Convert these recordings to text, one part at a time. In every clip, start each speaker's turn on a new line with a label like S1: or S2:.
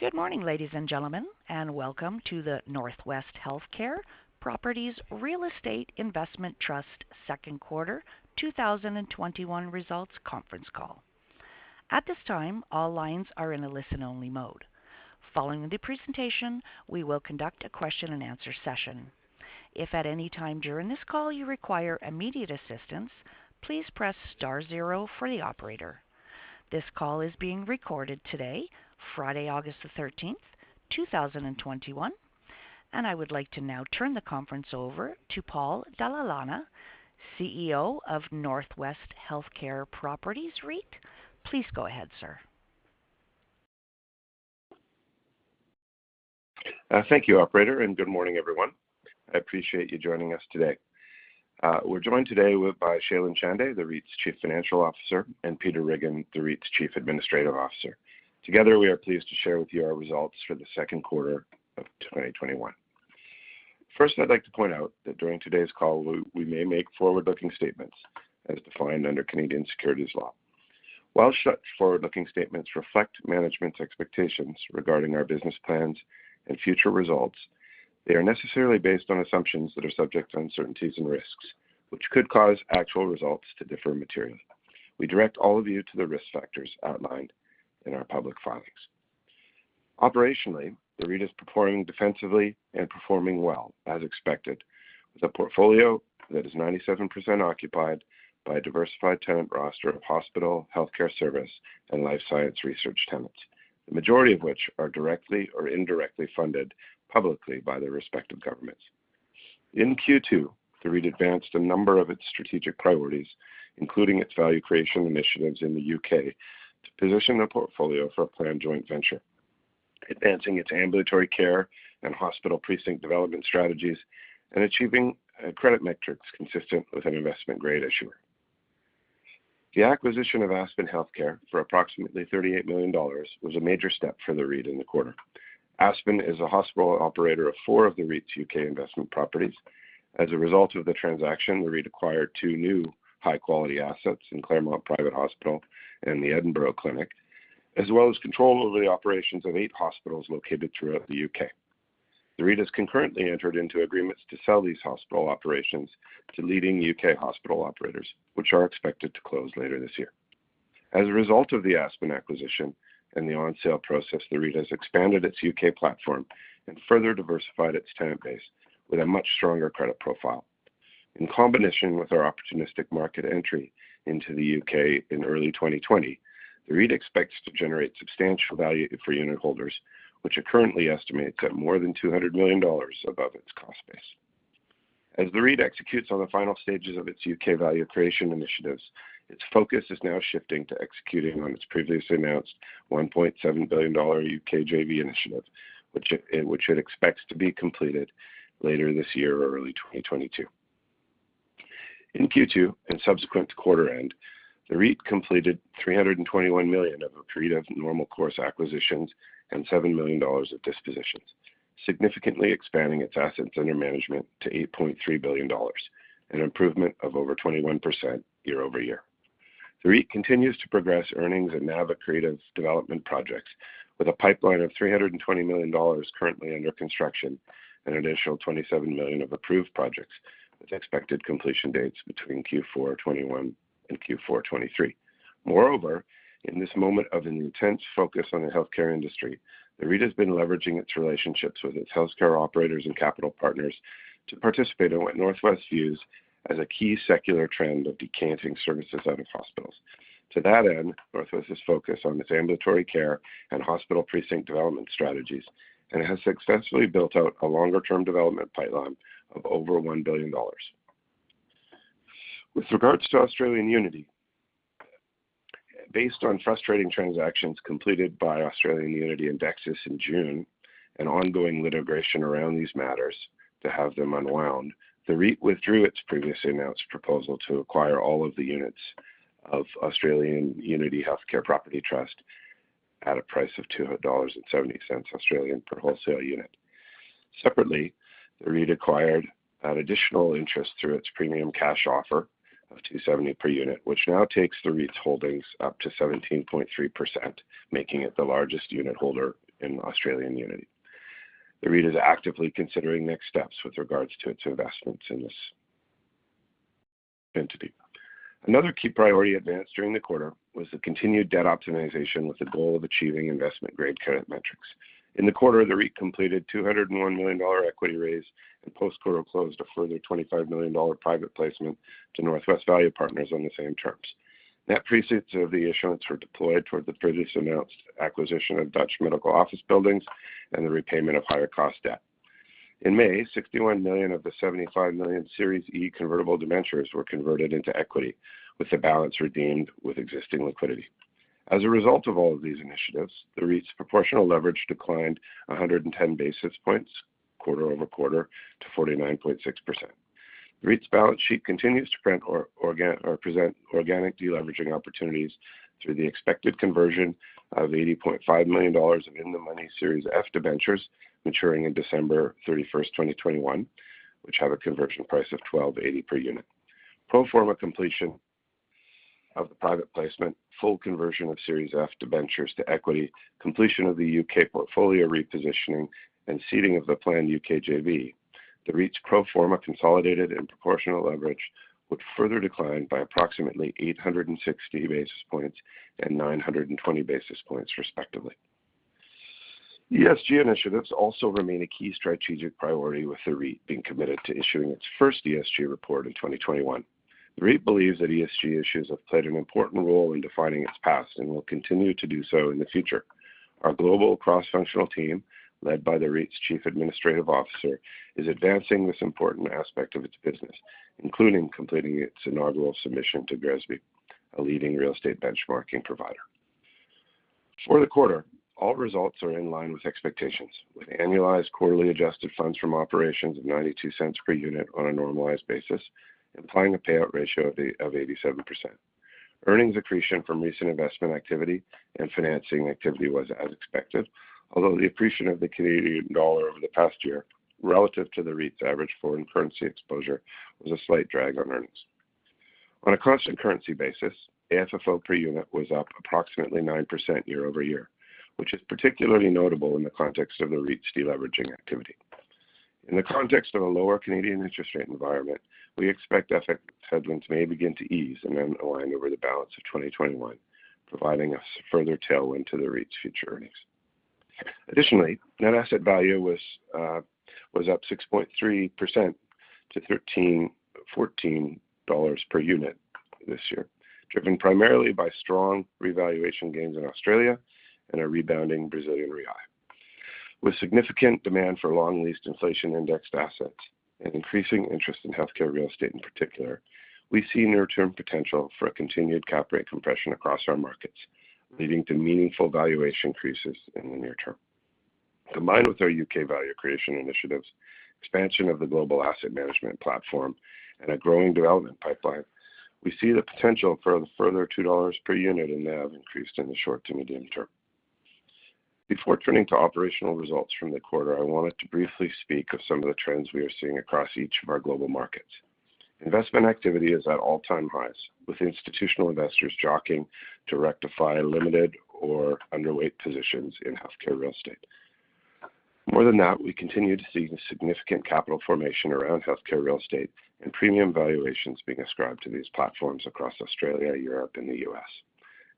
S1: Good morning, ladies and gentlemen. Welcome to the NorthWest Healthcare Properties Real Estate Investment Trust Second Quarter 2021 Results Conference Call. At this time, all lines are in a listen-only mode. Following the presentation, we will conduct a question and answer session. If at any time during this call you require immediate assistance, please press star zero for the operator. This call is being recorded today, Friday, August 13th, 2021. I would like to now turn the conference over to Paul Dalla Lana, CEO of NorthWest Healthcare Properties REIT. Please go ahead, sir.
S2: Thank you, operator, and good morning, everyone. I appreciate you joining us today. We're joined today by Shailen Chande, the REIT's Chief Financial Officer, and Peter Riggin, the REIT's Chief Administrative Officer. Together, we are pleased to share with you our results for the second quarter of 2021. First, I'd like to point out that during today's call, we may make forward-looking statements as defined under Canadian securities law. While such forward-looking statements reflect management's expectations regarding our business plans and future results, they are necessarily based on assumptions that are subject to uncertainties and risks, which could cause actual results to differ materially. We direct all of you to the risk factors outlined in our public filings. Operationally, the REIT is performing defensively and performing well, as expected, with a portfolio that is 97% occupied by a diversified tenant roster of hospital, healthcare service, and life science research tenants, the majority of which are directly or indirectly funded publicly by their respective governments. In Q2, the REIT advanced a number of its strategic priorities, including its value creation initiatives in the U.K. to position the portfolio for a planned joint venture, advancing its ambulatory care and hospital precinct development strategies, and achieving credit metrics consistent with an investment-grade issuer. The acquisition of Aspen Healthcare for approximately 38 million dollars was a major step for the REIT in the quarter. Aspen is a hospital operator of four of the REIT's U.K. investment properties. As a result of the transaction, the REIT acquired two new high-quality assets in Claremont Private Hospital and the Edinburgh Clinic, as well as control over the operations of eight hospitals located throughout the U.K. The REIT has concurrently entered into agreements to sell these hospital operations to leading U.K. hospital operators, which are expected to close later this year. As a result of the Aspen acquisition and the ongoing sale process, the REIT has expanded its U.K. platform and further diversified its tenant base with a much stronger credit profile. In combination with our opportunistic market entry into the U.K. in early 2020, the REIT expects to generate substantial value for unitholders, which are currently estimated at more than 200 million dollars above its cost base. As the REIT executes on the final stages of its U.K. value creation initiatives, its focus is now shifting to executing on its previously announced 1.7 billion dollar U.K. JV initiative, which it expects to be completed later this year or early 2022. In Q2 and subsequent to quarter end, the REIT completed 321 million of accretive normal course acquisitions and 7 million dollars of dispositions, significantly expanding its assets under management to 8.3 billion dollars, an improvement of over 21% year-over-year. The REIT continues to progress earnings and NAV accretive development projects with a pipeline of 320 million dollars currently under construction and an additional 27 million of approved projects with expected completion dates between Q4 2021 and Q4 2023. Moreover, in this moment of an intense focus on the healthcare industry, the REIT has been leveraging its relationships with its healthcare operators and capital partners to participate in what NorthWest views as a key secular trend of decanting services out of hospitals. To that end, NorthWest is focused on its ambulatory care and hospital precinct development strategies and has successfully built out a longer-term development pipeline of over 1 billion dollars. With regards to Australian Unity, based on frustrating transactions completed by Australian Unity and Dexus in June and ongoing litigation around these matters to have them unwound, the REIT withdrew its previously announced proposal to acquire all of the units of Australian Unity Healthcare Property Trust at a price of 2.70 Australian dollars per wholesale unit. Separately, the REIT acquired an additional interest through its premium cash offer of 2.70 per unit, which now takes the REIT's holdings up to 17.3%, making it the largest unitholder in Australian Unity. The REIT is actively considering next steps with regards to its investments in this entity. Another key priority advanced during the quarter was the continued debt optimization with the goal of achieving investment-grade credit metrics. In the quarter, the REIT completed a 201 million dollar equity raise and post-quarter closed a further 25 million dollar private placement to NorthWest Value Partners on the same terms. Net proceeds of the issuance were deployed toward the previously announced acquisition of Dutch Medical Office Buildings and the repayment of higher cost debt. In May, 61 million of the 75 million Series E convertible debentures were converted into equity, with the balance redeemed with existing liquidity. As a result of all of these initiatives, the REIT's proportional leverage declined 110 basis points quarter over quarter to 49.6%. The REIT's balance sheet continues to present organic deleveraging opportunities through the expected conversion of 80.5 million dollars of in-the-money Series F debentures maturing in December 31st, 2021, which have a conversion price of 12.80 per unit. Pro forma completion of the private placement, full conversion of Series F debentures to equity, completion of the U.K. portfolio repositioning, and seeding of the planned U.K. JV. The REIT's pro forma consolidated and proportional leverage would further decline by approximately 860 basis points and 920 basis points, respectively. ESG initiatives also remain a key strategic priority, with the REIT being committed to issuing its first ESG report in 2021. The REIT believes that ESG issues have played an important role in defining its past and will continue to do so in the future. Our global cross-functional team, led by the REIT's Chief Administrative Officer, is advancing this important aspect of its business, including completing its inaugural submission to GRESB, a leading real estate benchmarking provider. For the quarter, all results are in line with expectations, with annualized quarterly adjusted funds from operations of 0.92 per unit on a normalized basis, implying a payout ratio of 87%. Earnings accretion from recent investment activity and financing activity was as expected, although the appreciation of the Canadian dollar over the past year relative to the REIT's average foreign currency exposure was a slight drag on earnings. On a constant currency basis, AFFO per unit was up approximately 9% year-over-year, which is particularly notable in the context of the REIT's de-leveraging activity. In the context of a lower Canadian interest rate environment, we expect asset headwinds may begin to ease and then align over the balance of 2021, providing a further tailwind to the REIT's future earnings. Net asset value was up 6.3% to 13.14 dollars per unit this year, driven primarily by strong revaluation gains in Australia and a rebounding Brazilian real. With significant demand for long-leased inflation-indexed assets and increasing interest in healthcare real estate in particular, we see near-term potential for a continued cap rate compression across our markets, leading to meaningful valuation increases in the near term. Combined with our U.K. value creation initiatives, expansion of the global asset management platform, and a growing development pipeline, we see the potential for a further 2 dollars per unit in NAV increased in the short to medium term. Before turning to operational results from the quarter, I wanted to briefly speak of some of the trends we are seeing across each of our global markets. Investment activity is at all-time highs, with institutional investors jockeying to rectify limited or underweight positions in healthcare real estate. More than that, we continue to see significant capital formation around healthcare real estate and premium valuations being ascribed to these platforms across Australia, Europe, and the U.S.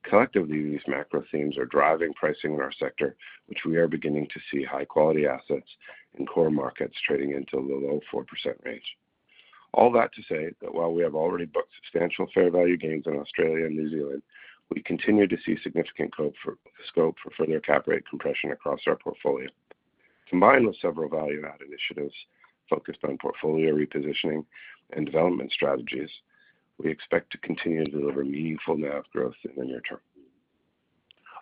S2: Collectively, these macro themes are driving pricing in our sector, which we are beginning to see high-quality assets in core markets trading into the low 4% range. All that to say that while we have already booked substantial fair value gains in Australia and New Zealand, we continue to see significant scope for further cap rate compression across our portfolio. Combined with several value-add initiatives focused on portfolio repositioning and development strategies, we expect to continue to deliver meaningful NAV growth in the near term.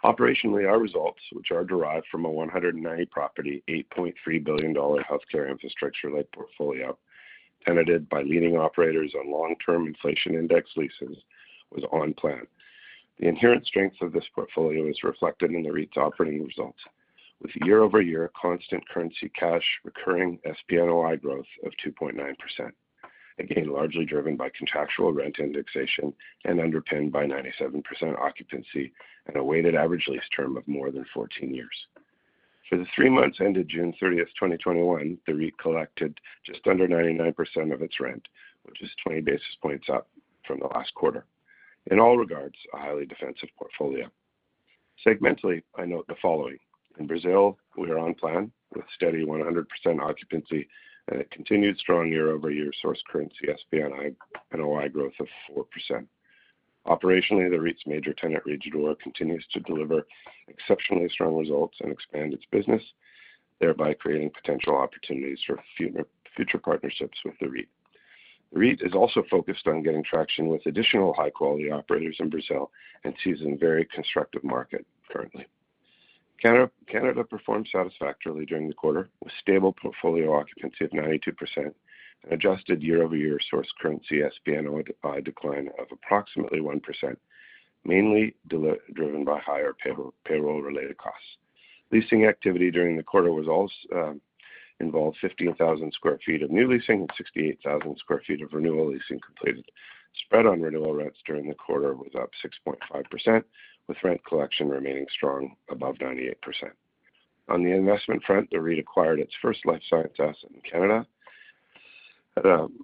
S2: Operationally, our results, which are derived from a 190-property, NZD 8.3 billion healthcare infrastructure-led portfolio tenanted by leading operators on long-term inflation indexed leases, was on plan. The inherent strength of this portfolio is reflected in the REIT's operating results, with year-over-year constant currency cash recurring SPNOI growth of 2.9%, again, largely driven by contractual rent indexation and underpinned by 97% occupancy and a weighted average lease term of more than 14 years. For the three months ended June 30th, 2021, the REIT collected just under 99% of its rent, which is 20 basis points up from the last quarter. In all regards, a highly defensive portfolio. Segmentally, I note the following. In Brazil, we are on plan with steady 100% occupancy and a continued strong year-over-year source currency SPNOI growth of 4%. Operationally, the REIT's major tenant, Rede D'Or, continues to deliver exceptionally strong results and expand its business, thereby creating potential opportunities for future partnerships with the REIT. The REIT is also focused on getting traction with additional high-quality operators in Brazil and sees a very constructive market currently. Canada performed satisfactorily during the quarter with stable portfolio occupancy of 92% and adjusted year-over-year source currency SPNOI decline of approximately 1%, mainly driven by higher payroll-related costs. Leasing activity during the quarter involved 50,000 sq ft of new leasing and 68,000 sq ft of renewal leasing completed. Spread on renewal rents during the quarter was up 6.5%, with rent collection remaining strong above 98%. On the investment front, the REIT acquired its first life science asset in Canada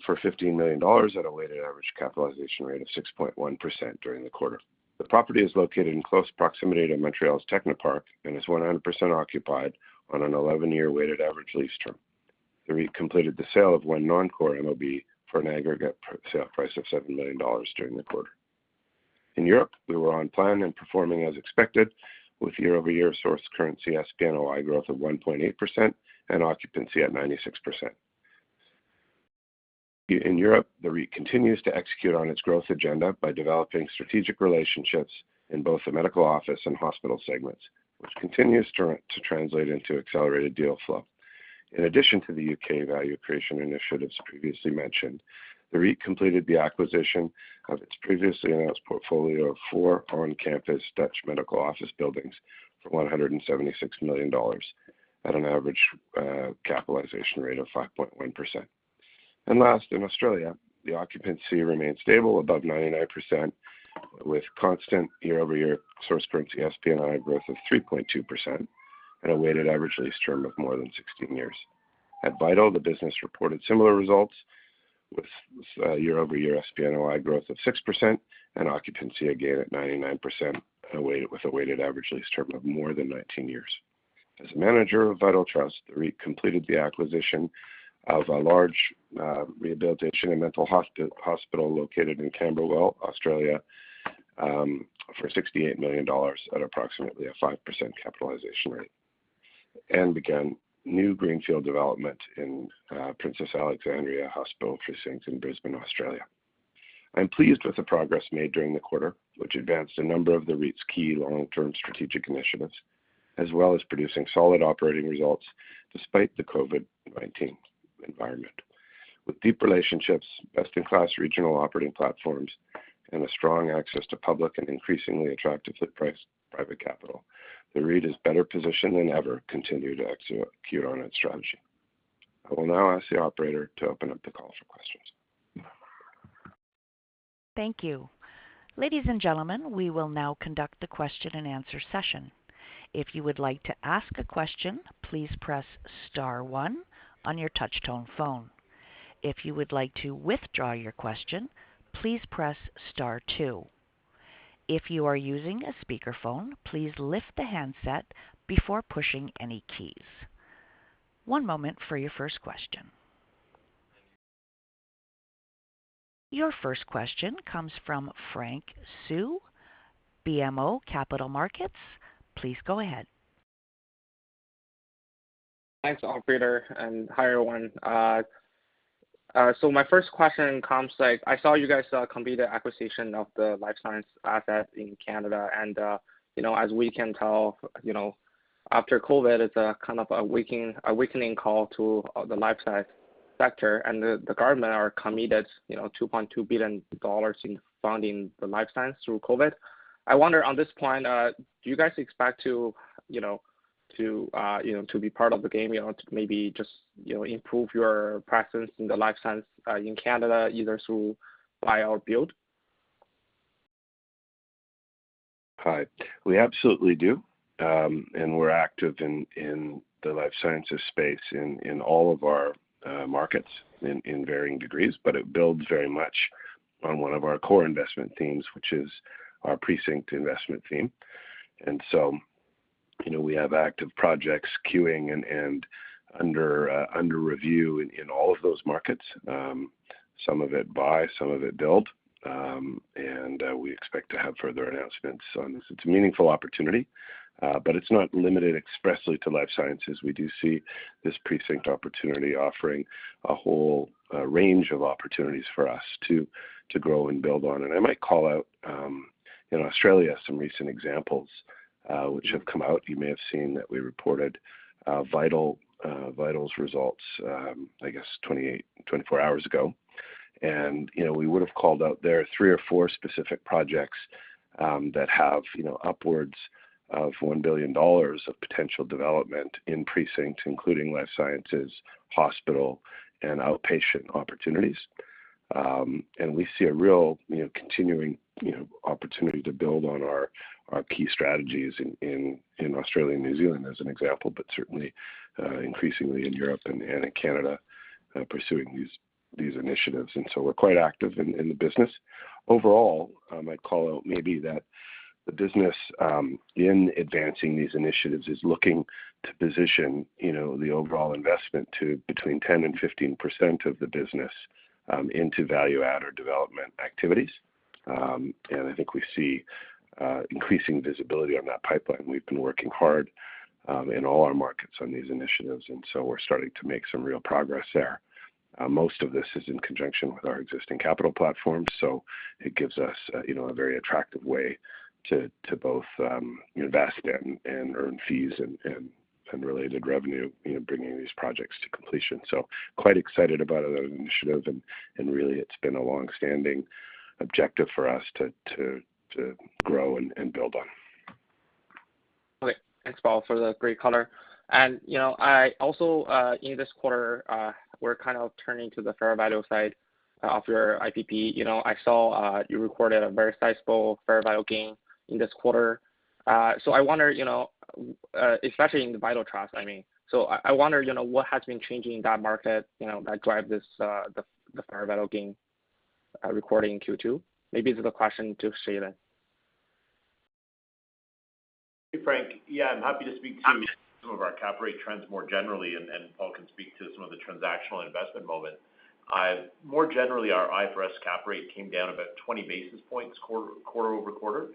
S2: for 15 million dollars at a weighted average capitalization rate of 6.1% during the quarter. The property is located in close proximity to Montreal's Technoparc and is 100% occupied on an 11-year weighted average lease term. The REIT completed the sale of one non-core MOB for an aggregate sale price of 7 million dollars during the quarter. In Europe, we were on plan and performing as expected with year-over-year source currency SPNOI growth of 1.8% and occupancy at 96%. In Europe, the REIT continues to execute on its growth agenda by developing strategic relationships in both the medical office and hospital segments, which continues to translate into accelerated deal flow. In addition to the U.K. value creation initiatives previously mentioned, the REIT completed the acquisition of its previously announced portfolio of four on-campus Dutch medical office buildings for 176 million dollars at an average capitalization rate of 5.1%. Last, in Australia, the occupancy remained stable above 99%. With constant year-over-year source currency SPNOI growth of 3.2% and a weighted average lease term of more than 16 years. At Vital, the business reported similar results with year-over-year SPNOI growth of 6% and occupancy again at 99%, with a weighted average lease term of more than 19 years. As manager of Vital Trust, REIT completed the acquisition of a large rehabilitation and mental hospital located in Camberwell, Australia for 68 million dollars at approximately a 5% capitalization rate. Began new greenfield development in Princess Alexandra Hospital Precinct in Brisbane, Australia. I'm pleased with the progress made during the quarter, which advanced a number of the REIT's key long-term strategic initiatives, as well as producing solid operating results despite the COVID-19 environment. With deep relationships, best-in-class regional operating platforms, and a strong access to public and increasingly attractive flip price private capital, the REIT is better positioned than ever continue to execute on its strategy. I will now ask the operator to open up the call for questions.
S1: Thank you. Ladies and gentlemen, we will now conduct the question and answer session. If you would like to ask a question, please press star one on your touchtone phone. If you would like to withdraw your question please press star two. If you're using a speakerphone, please lift the handset before pushing any keys. One moment for your first question. Your first question comes from Frank Hsu, BMO Capital Markets. Please go ahead.
S3: Thanks, operator and hi, everyone. My first question comes like, I saw you guys completed acquisition of the life science asset in Canada, and as we can tell, after COVID, it's a kind of awakening call to the life science sector and the government are committed 2.2 billion dollars in funding the life science through COVID. I wonder on this point, do you guys expect to be part of the game or to maybe just improve your presence in the life science in Canada, either through buy or build?
S2: Hi. We absolutely do. We're active in the life sciences space in all of our markets in varying degrees, but it builds very much on one of our core investment themes, which is our precinct investment theme. We have active projects queuing and under review in all of those markets. Some of it buy, some of it build. We expect to have further announcements on this. It's a meaningful opportunity, but it's not limited expressly to life sciences. We do see this precinct opportunity offering a whole range of opportunities for us to grow and build on. I might call out, in Australia, some recent examples which have come out. You may have seen that we reported Vital's results, I guess 24 hours ago. We would've called out their three or four specific projects that have upwards of 1 billion dollars of potential development in precincts, including life sciences, hospital, and outpatient opportunities. We see a real continuing opportunity to build on our key strategies in Australia and New Zealand as an example, but certainly, increasingly in Europe and in Canada, pursuing these initiatives. We're quite active in the business. Overall, I might call out maybe that the business in advancing these initiatives is looking to position the overall investment to between 10%-15% of the business into value add or development activities. I think we see increasing visibility on that pipeline. We've been working hard in all our markets on these initiatives, and so we're starting to make some real progress there. Most of this is in conjunction with our existing capital platform, so it gives us a very attractive way to both invest in and earn fees and related revenue, bringing these projects to completion. We are quite excited about that initiative and really it's been a longstanding objective for us to grow and build on.
S3: Okay. Thanks, Paul for the great color. In this quarter, we're kind of turning to the fair value side of your IPP. I saw you recorded a very sizable fair value gain in this quarter. I wonder, especially in the Vital Trust, I mean, what has been changing in that market that drive this the fair value gain recorded in Q2? Maybe this is a question to Shailen Chande.
S4: Hey, Frank. Yeah, I'm happy to speak to some of our cap rate trends more generally and Paul can speak to some of the transactional investment momentum. More generally, our IFRS cap rate came down about 20 basis points quarter-over-quarter,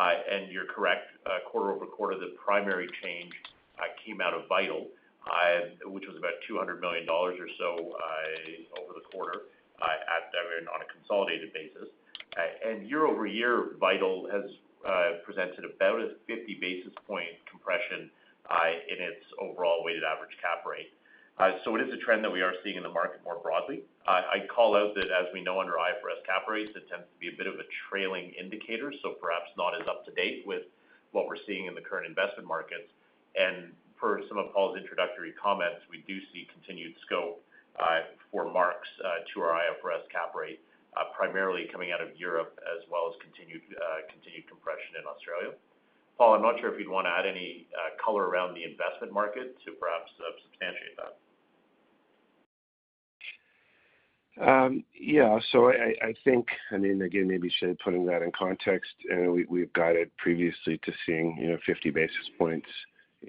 S4: 5.6%-5.4%. You're correct, quarter-over-quarter, the primary change came out of Vital, which was about 200 million dollars or so over the quarter on a consolidated basis. Year-over-year, Vital has presented about a 50 basis points compression in its overall weighted average cap rate. It is a trend that we are seeing in the market more broadly. I call out that as we know under IFRS cap rates, it tends to be a bit of a trailing indicator. Perhaps not as up to date with what we're seeing in the current investment markets. Per some of Paul's introductory comments, we do see continued scope for marks to our IFRS cap rate, primarily coming out of Europe as well as continued compression in Australia. Paul, I'm not sure if you'd want to add any color around the investment market to perhaps substantiate that.
S2: Yeah. I think, again, maybe Shailen putting that in context, we've guided previously to seeing 50 basis points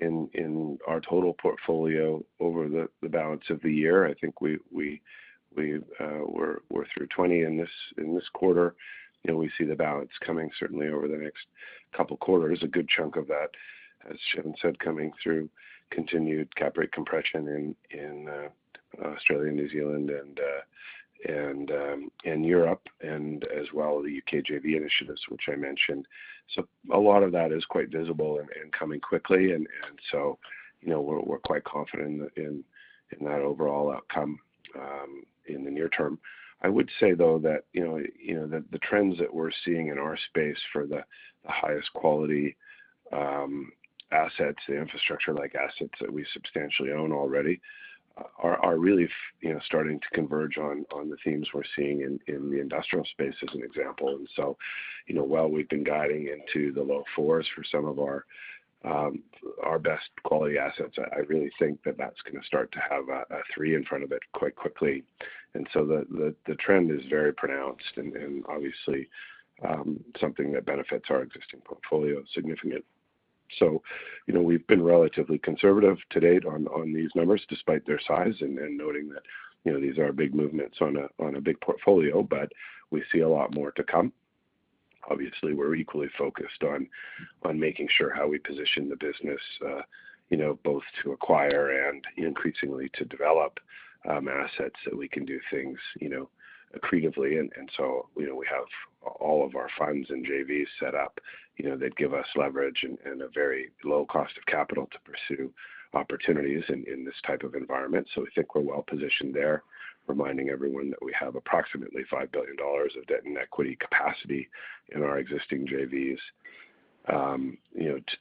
S2: in our total portfolio over the balance of the year. I think we're through 20 in this quarter, and we see the balance coming certainly over the next couple quarters, a good chunk of that, as Shailen said, coming through continued cap rate compression in Australia, New Zealand, and Europe, and as well, the U.K. JV initiatives, which I mentioned. A lot of that is quite visible and coming quickly. We're quite confident in that overall outcome in the near term. I would say, though, that the trends that we're seeing in our space for the highest quality assets, the infrastructure-like assets that we substantially own already, are really starting to converge on the themes we're seeing in the industrial space, as an example. While we've been guiding into the low four for some of our best quality assets, I really think that that's going to start to have a three in front of it quite quickly. The trend is very pronounced and obviously, something that benefits our existing portfolio significantly. We've been relatively conservative to date on these numbers, despite their size and noting that these are big movements on a big portfolio, but we see a lot more to come. Obviously, we're equally focused on making sure how we position the business both to acquire and increasingly to develop assets that we can do things accretively in. We have all of our funds and JVs set up that give us leverage and a very low cost of capital to pursue opportunities in this type of environment. We think we're well positioned there, reminding everyone that we have approximately 5 billion dollars of debt and equity capacity in our existing JVs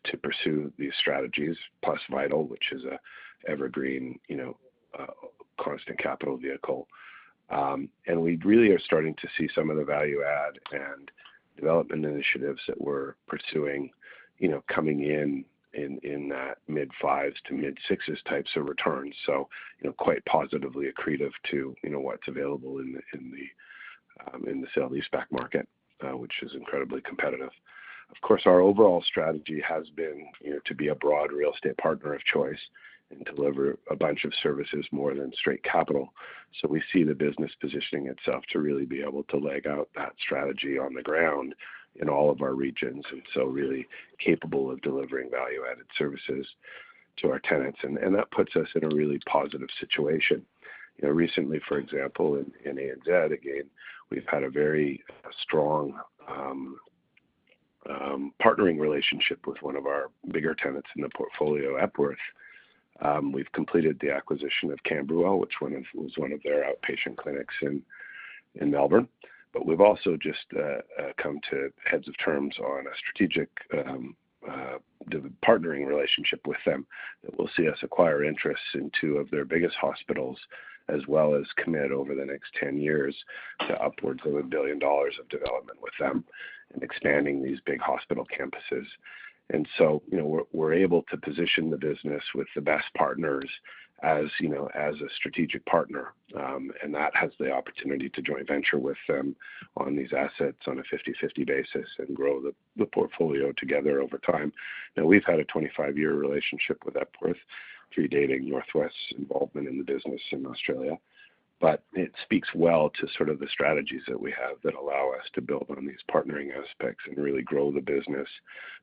S2: to pursue these strategies, plus Vital, which is an evergreen constant capital vehicle. We really are starting to see some of the value add and development initiatives that we're pursuing coming in that mid-fives to mid-sixes types of returns. Quite positively accretive to what's available in the sale leaseback market, which is incredibly competitive. Of course, our overall strategy has been to be a broad real estate partner of choice and deliver a bunch of services more than straight capital. We see the business positioning itself to really be able to leg out that strategy on the ground in all of our regions, and so really capable of delivering value-added services to our tenants. That puts us in a really positive situation. Recently, for example, in ANZ, again, we've had a very strong partnering relationship with one of our bigger tenants in the portfolio, Epworth. We've completed the acquisition of Camberwell, which was one of their outpatient clinics in Melbourne. We've also just come to heads of terms on a strategic partnering relationship with them that will see us acquire interests in two of their biggest hospitals, as well as commit over the next 10 years to upwards of 1 billion dollars of development with them in expanding these big hospital campuses. We're able to position the business with the best partners as a strategic partner. That has the opportunity to joint venture with them on these assets on a 50/50 basis and grow the portfolio together over time. We've had a 25-year relationship with Epworth, predating NorthWest's involvement in the business in Australia. It speaks well to sort of the strategies that we have that allow us to build on these partnering aspects and really grow the business,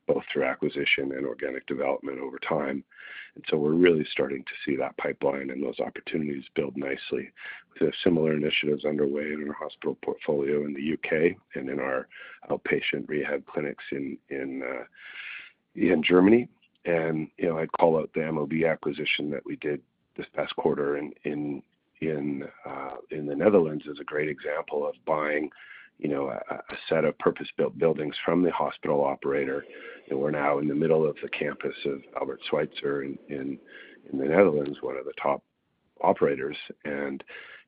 S2: both through acquisition and organic development over time. We're really starting to see that pipeline and those opportunities build nicely. There are similar initiatives underway in our hospital portfolio in the U.K. and in our outpatient rehab clinics in Germany. I'd call out the MOB acquisition that we did this past quarter in the Netherlands as a great example of buying a set of purpose-built buildings from the hospital operator, and we're now in the middle of the campus of Albert Schweitzer in the Netherlands, one of the top operators.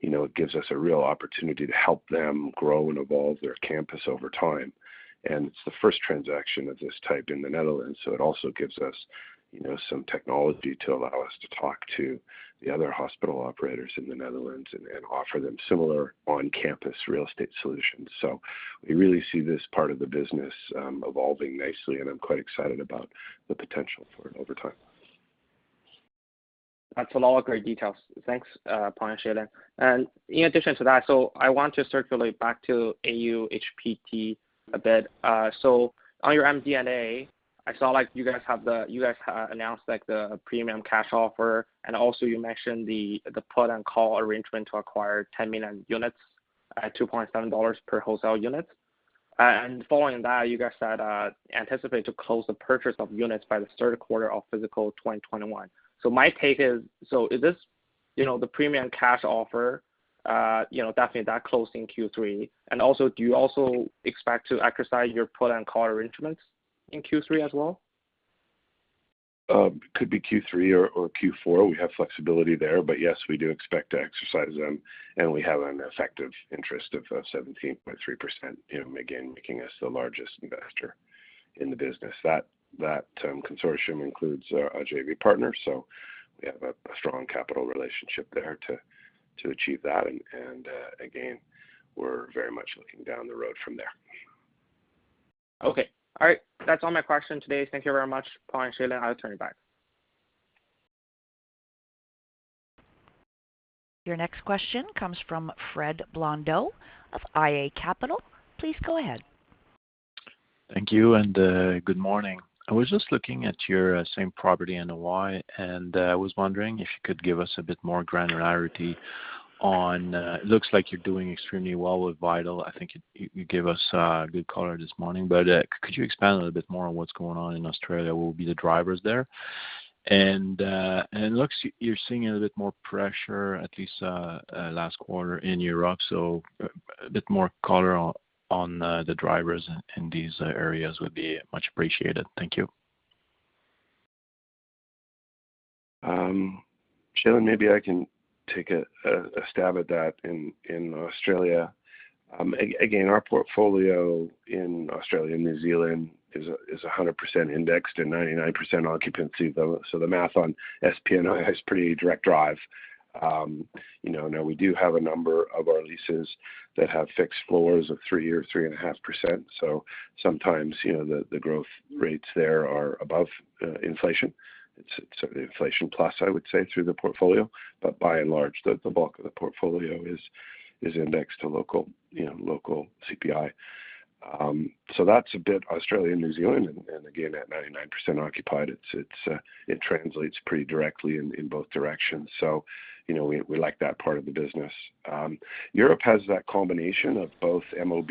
S2: It gives us a real opportunity to help them grow and evolve their campus over time. It's the first transaction of this type in the Netherlands, so it also gives us some technology to allow us to talk to the other hospital operators in the Netherlands and offer them similar on-campus real estate solutions. We really see this part of the business evolving nicely, and I'm quite excited about the potential for it over time.
S3: That's a lot of great details. Thanks, Paul and Shailen. In addition to that, I want to circulate back to AUHPT a bit. On your MD&A, I saw you guys announced the premium cash offer, and also you mentioned the put and call arrangement to acquire 10 million units at 2.70 dollars per wholesale unit. Following that, you guys said anticipate to close the purchase of units by the third quarter of fiscal 2021. My take is this- The premium cash offer, definitely that closed in Q3. Do you also expect to exercise your put and call arrangements in Q3 as well?
S2: Could be Q3 or Q4. We have flexibility there, but yes, we do expect to exercise them, and we have an effective interest of 17.3%, again, making us the largest investor in the business. That consortium includes our JV partner, so we have a strong capital relationship there to achieve that. Again, we're very much looking down the road from there.
S3: Okay. All right. That's all my questions today. Thank you very much, Paul and Shailen Chande. I'll turn it back.
S1: Your next question comes from Fred Blondeau of iA Capital. Please go ahead.
S5: Thank you. Good morning. I was just looking at your same property NOI. I was wondering if you could give us a bit more granularity on It looks like you're doing extremely well with Vital. I think you gave us a good color this morning. Could you expand a little bit more on what's going on in Australia, what will be the drivers there? It looks you're seeing a little bit more pressure, at least last quarter in Europe. A bit more color on the drivers in these areas would be much appreciated. Thank you.
S2: Shailen, maybe I can take a stab at that in Australia. Our portfolio in Australia and New Zealand is 100% indexed and 99% occupancy. The math on SPNOI is pretty direct drive. We do have a number of our leases that have fixed floors of 3% or 3.5%, sometimes, the growth rates there are above inflation. It's inflation plus, I would say, through the portfolio. By and large, the bulk of the portfolio is indexed to local CPI. That's a bit Australia and New Zealand, and again, at 99% occupied, it translates pretty directly in both directions. We like that part of the business. Europe has that combination of both MOB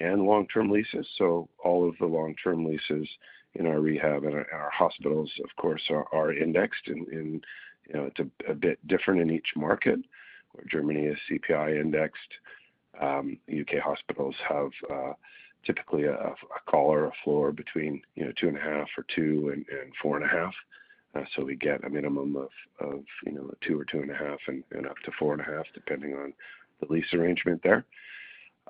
S2: and long-term leases. All of the long-term leases in our rehab and our hospitals, of course, are indexed in. It's a bit different in each market. Germany is CPI indexed. U.K. hospitals have typically a collar, a floor between 2.5% or 2% and 4.5%. We get a minimum of 2% or 2.5% and up to 4.5%, depending on the lease arrangement there.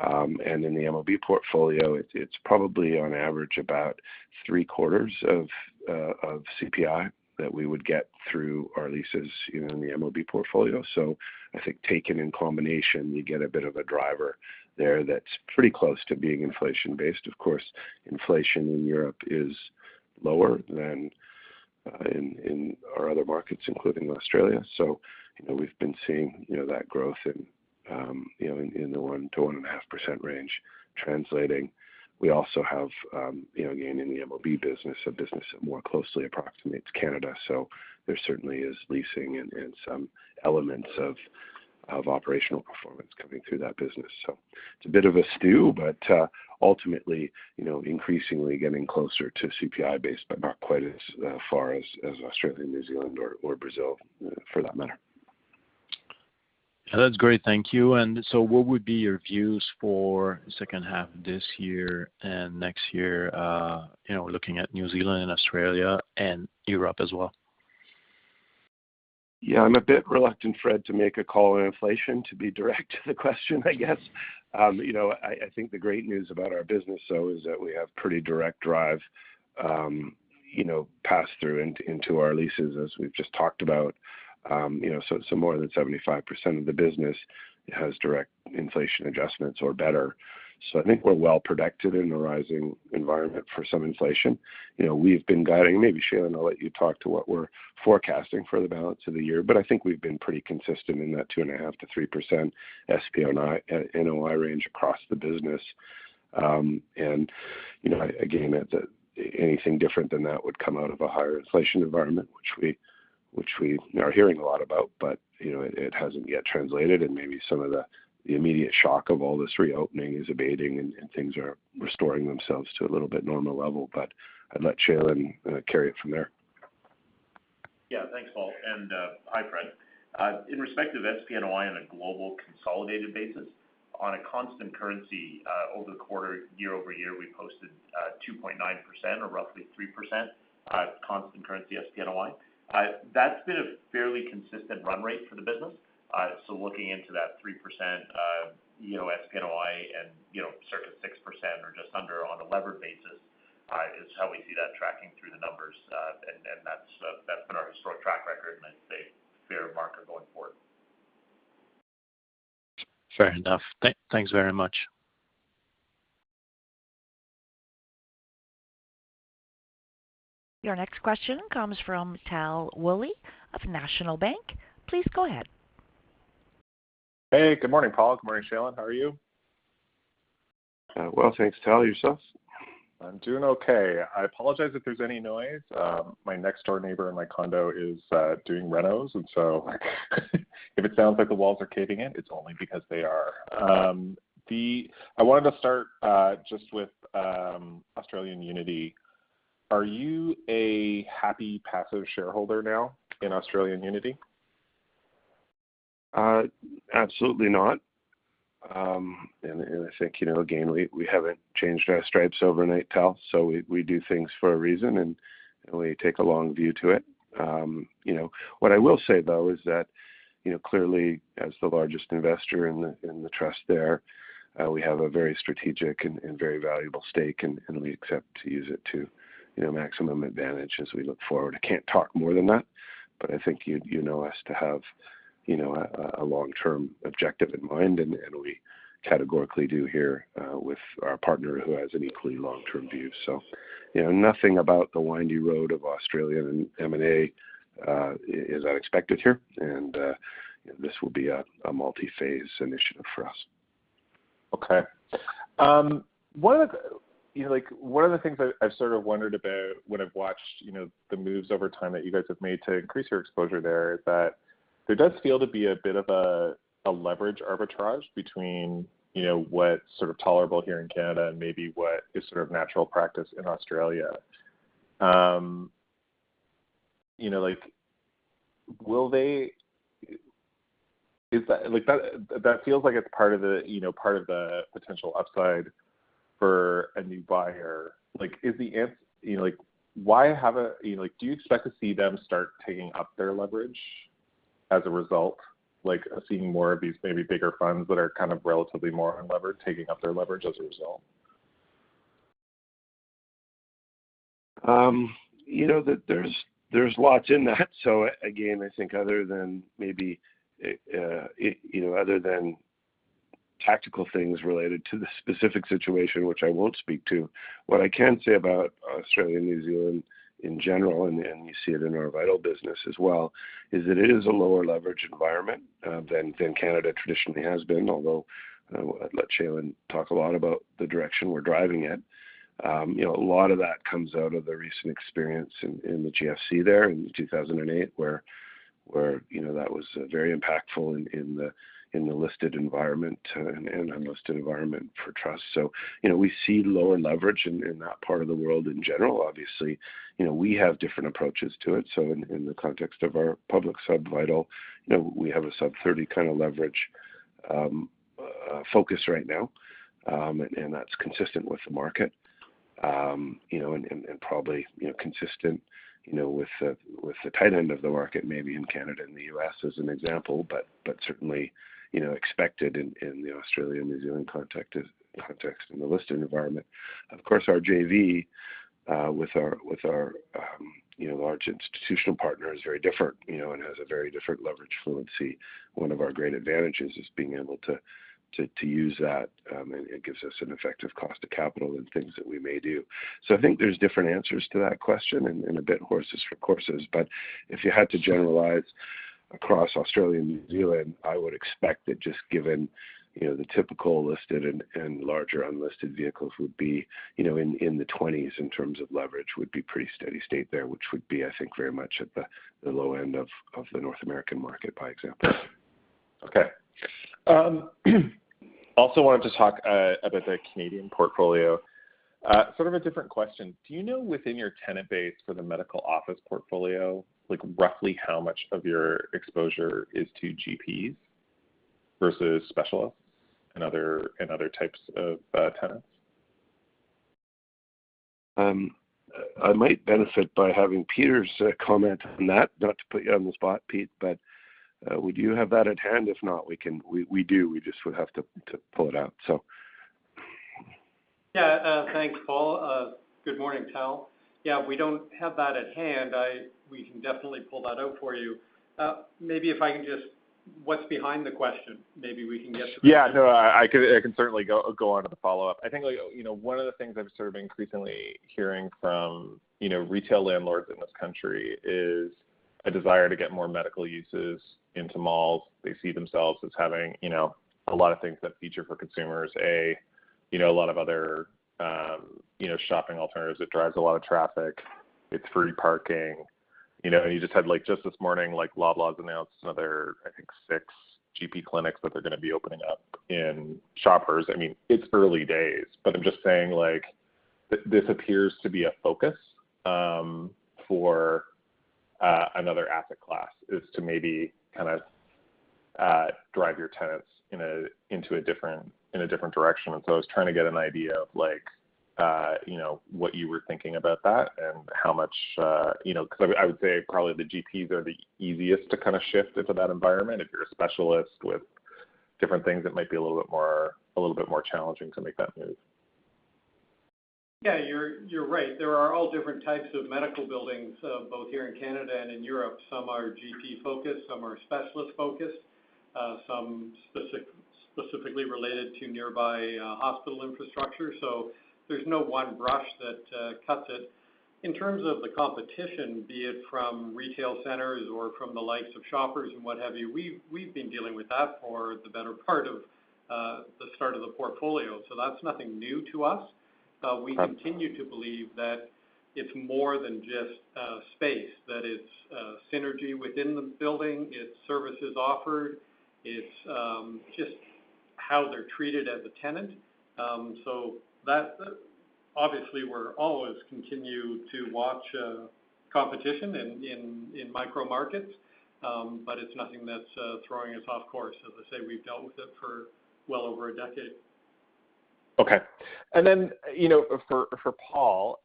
S2: In the MOB portfolio, it's probably on average about three-quarters of CPI that we would get through our leases in the MOB portfolio. I think taken in combination, you get a bit of a driver there that's pretty close to being inflation-based. Of course, inflation in Europe is lower than in our other markets, including Australia. We've been seeing that growth in the 1%-1.5% range translating. We also have, again, in the MOB business, a business that more closely approximates Canada. There certainly is leasing and some elements of operational performance coming through that business. It's a bit of a stew, but ultimately, increasingly getting closer to CPI base, but not quite as far as Australia, New Zealand or Brazil for that matter.
S5: That is great. Thank you. What would be your views for the second half of this year and next year, looking at New Zealand and Australia and Europe as well?
S2: Yeah, I'm a bit reluctant, Fred, to make a call on inflation, to be direct to the question, I guess. I think the great news about our business, though, is that we have pretty direct drive pass-through into our leases, as we've just talked about. More than 75% of the business has direct inflation adjustments or better. I think we're well protected in the rising environment for some inflation. We've been guiding, maybe Shailen, I'll let you talk to what we're forecasting for the balance of the year, but I think we've been pretty consistent in that 2.5% to 3% SPNOI NOI range across the business. Again, anything different than that would come out of a higher inflation environment, which we are hearing a lot about, but it hasn't yet translated, and maybe some of the immediate shock of all this reopening is abating, and things are restoring themselves to a little bit normal level. I'd let Shailen carry it from there.
S4: Yeah, thanks, Paul, and hi, Fred. In respect of SPNOI on a global consolidated basis, on a constant currency over the quarter, year-over-year, we posted 2.9%, or roughly 3% constant currency SPNOI. That's been a fairly consistent run rate for the business. Looking into that 3% NOI and circa 6%, or just under on a levered basis is how we see that tracking through the numbers. That's been our historic track record, and I'd say a fair marker going forward.
S5: Fair enough. Thanks very much.
S1: Your next question comes from Tal Woolley of National Bank. Please go ahead.
S6: Hey, good morning, Paul. Good morning, Shailen. How are you?
S2: Well, thanks, Tal. Yourself?
S6: I'm doing okay. I apologize if there is any noise. My next door neighbor in my condo is doing renos. If it sounds like the walls are caving in, it is only because they are. I wanted to start just with Australian Unity. Are you a happy passive shareholder now in Australian Unity?
S2: Absolutely not. I think, again, we haven't changed our stripes overnight, Tal, we do things for a reason, and we take a long view to it. What I will say, though, is that clearly as the largest investor in the trust there, we have a very strategic and very valuable stake, and we accept to use it to maximum advantage as we look forward. I can't talk more than that, I think you know us to have a long-term objective in mind, we categorically do here with our partner who has an equally long-term view. Nothing about the windy road of Australian M&A is unexpected here, this will be a multi-phase initiative for us.
S6: Okay. One of the things I've sort of wondered about when I've watched the moves over time that you guys have made to increase your exposure there is that there does feel to be a bit of a leverage arbitrage between what's sort of tolerable here in Canada and maybe what is sort of natural practice in Australia. That feels like it's part of the potential upside for a new buyer. Do you expect to see them start taking up their leverage as a result, like seeing more of these maybe bigger funds that are kind of relatively more unlevered, taking up their leverage as a result?
S2: There's lots in that. Again, I think other than tactical things related to the specific situation, which I won't speak to, what I can say about Australia and New Zealand in general, and you see it in our Vital business as well, is that it is a lower leverage environment than Canada traditionally has been. Although, I'd let Shailen talk a lot about the direction we're driving in. A lot of that comes out of the recent experience in the GFC there in 2008 where that was very impactful in the listed environment and unlisted environment for trusts. We see lower leverage in that part of the world in general. Obviously, we have different approaches to it. In the context of our public sub Vital, we have a sub 30 kind of leverage focus right now. That's consistent with the market, probably consistent with the tight end of the market, maybe in Canada and the U.S. as an example, but certainly expected in the Australian-New Zealand context in the listed environment. Our JV with our large institutional partner is very different and has a very different leverage fluency. One of our great advantages is being able to use that, and it gives us an effective cost of capital in things that we may do. I think there's different answers to that question and a bit horses for courses. If you had to generalize across Australia and New Zealand, I would expect that just given the typical listed and larger unlisted vehicles would be in the 20s in terms of leverage would be pretty steady state there, which would be, I think, very much at the low end of the North American market by example.
S6: Okay. Also wanted to talk about the Canadian portfolio. Sort of a different question. Do you know within your tenant base for the medical office portfolio, like roughly how much of your exposure is to GPs versus specialists and other types of tenants?
S2: I might benefit by having Peter comment on that. Not to put you on the spot, Pete, would you have that at hand? If not, we do, we just would have to pull it out.
S7: Yeah. Thanks, Paul. Good morning, Tal. Yeah, we don't have that at hand. We can definitely pull that out for you. What's behind the question? Maybe we can get to that.
S6: No, I can certainly go on to the follow-up. I think one of the things I'm sort of increasingly hearing from retail landlords in this country is a desire to get more medical uses into malls. They see themselves as having a lot of things that feature for consumers. A lot of other shopping alternatives that drives a lot of traffic. It's free parking. You just had this morning, Loblaws announced another, I think, 6 GP clinics that they're going to be opening up in Shoppers. It's early days, I'm just saying this appears to be a focus for another asset class, is to maybe kind of drive your tenants in a different direction. I was trying to get an idea of what you were thinking about that and how much Because I would say probably the GPs are the easiest to kind of shift into that environment. If you're a specialist with different things, it might be a little bit more challenging to make that move.
S7: Yeah, you're right. There are all different types of medical buildings, both here in Canada and in Europe. Some are GP-focused, some are specialist-focused, some specifically related to nearby hospital infrastructure. There's no one brush that cuts it. In terms of the competition, be it from retail centers or from the likes of Shoppers and what have you, we've been dealing with that for the better part of the start of the portfolio. That's nothing new to us.
S6: Right.
S7: We continue to believe that it's more than just space, that it's synergy within the building, it's services offered. It's just how they're treated as a tenant. Obviously, we'll always continue to watch competition in micro markets, but it's nothing that's throwing us off course. As I say, we've dealt with it for well over a decade.
S6: Okay. For Paul,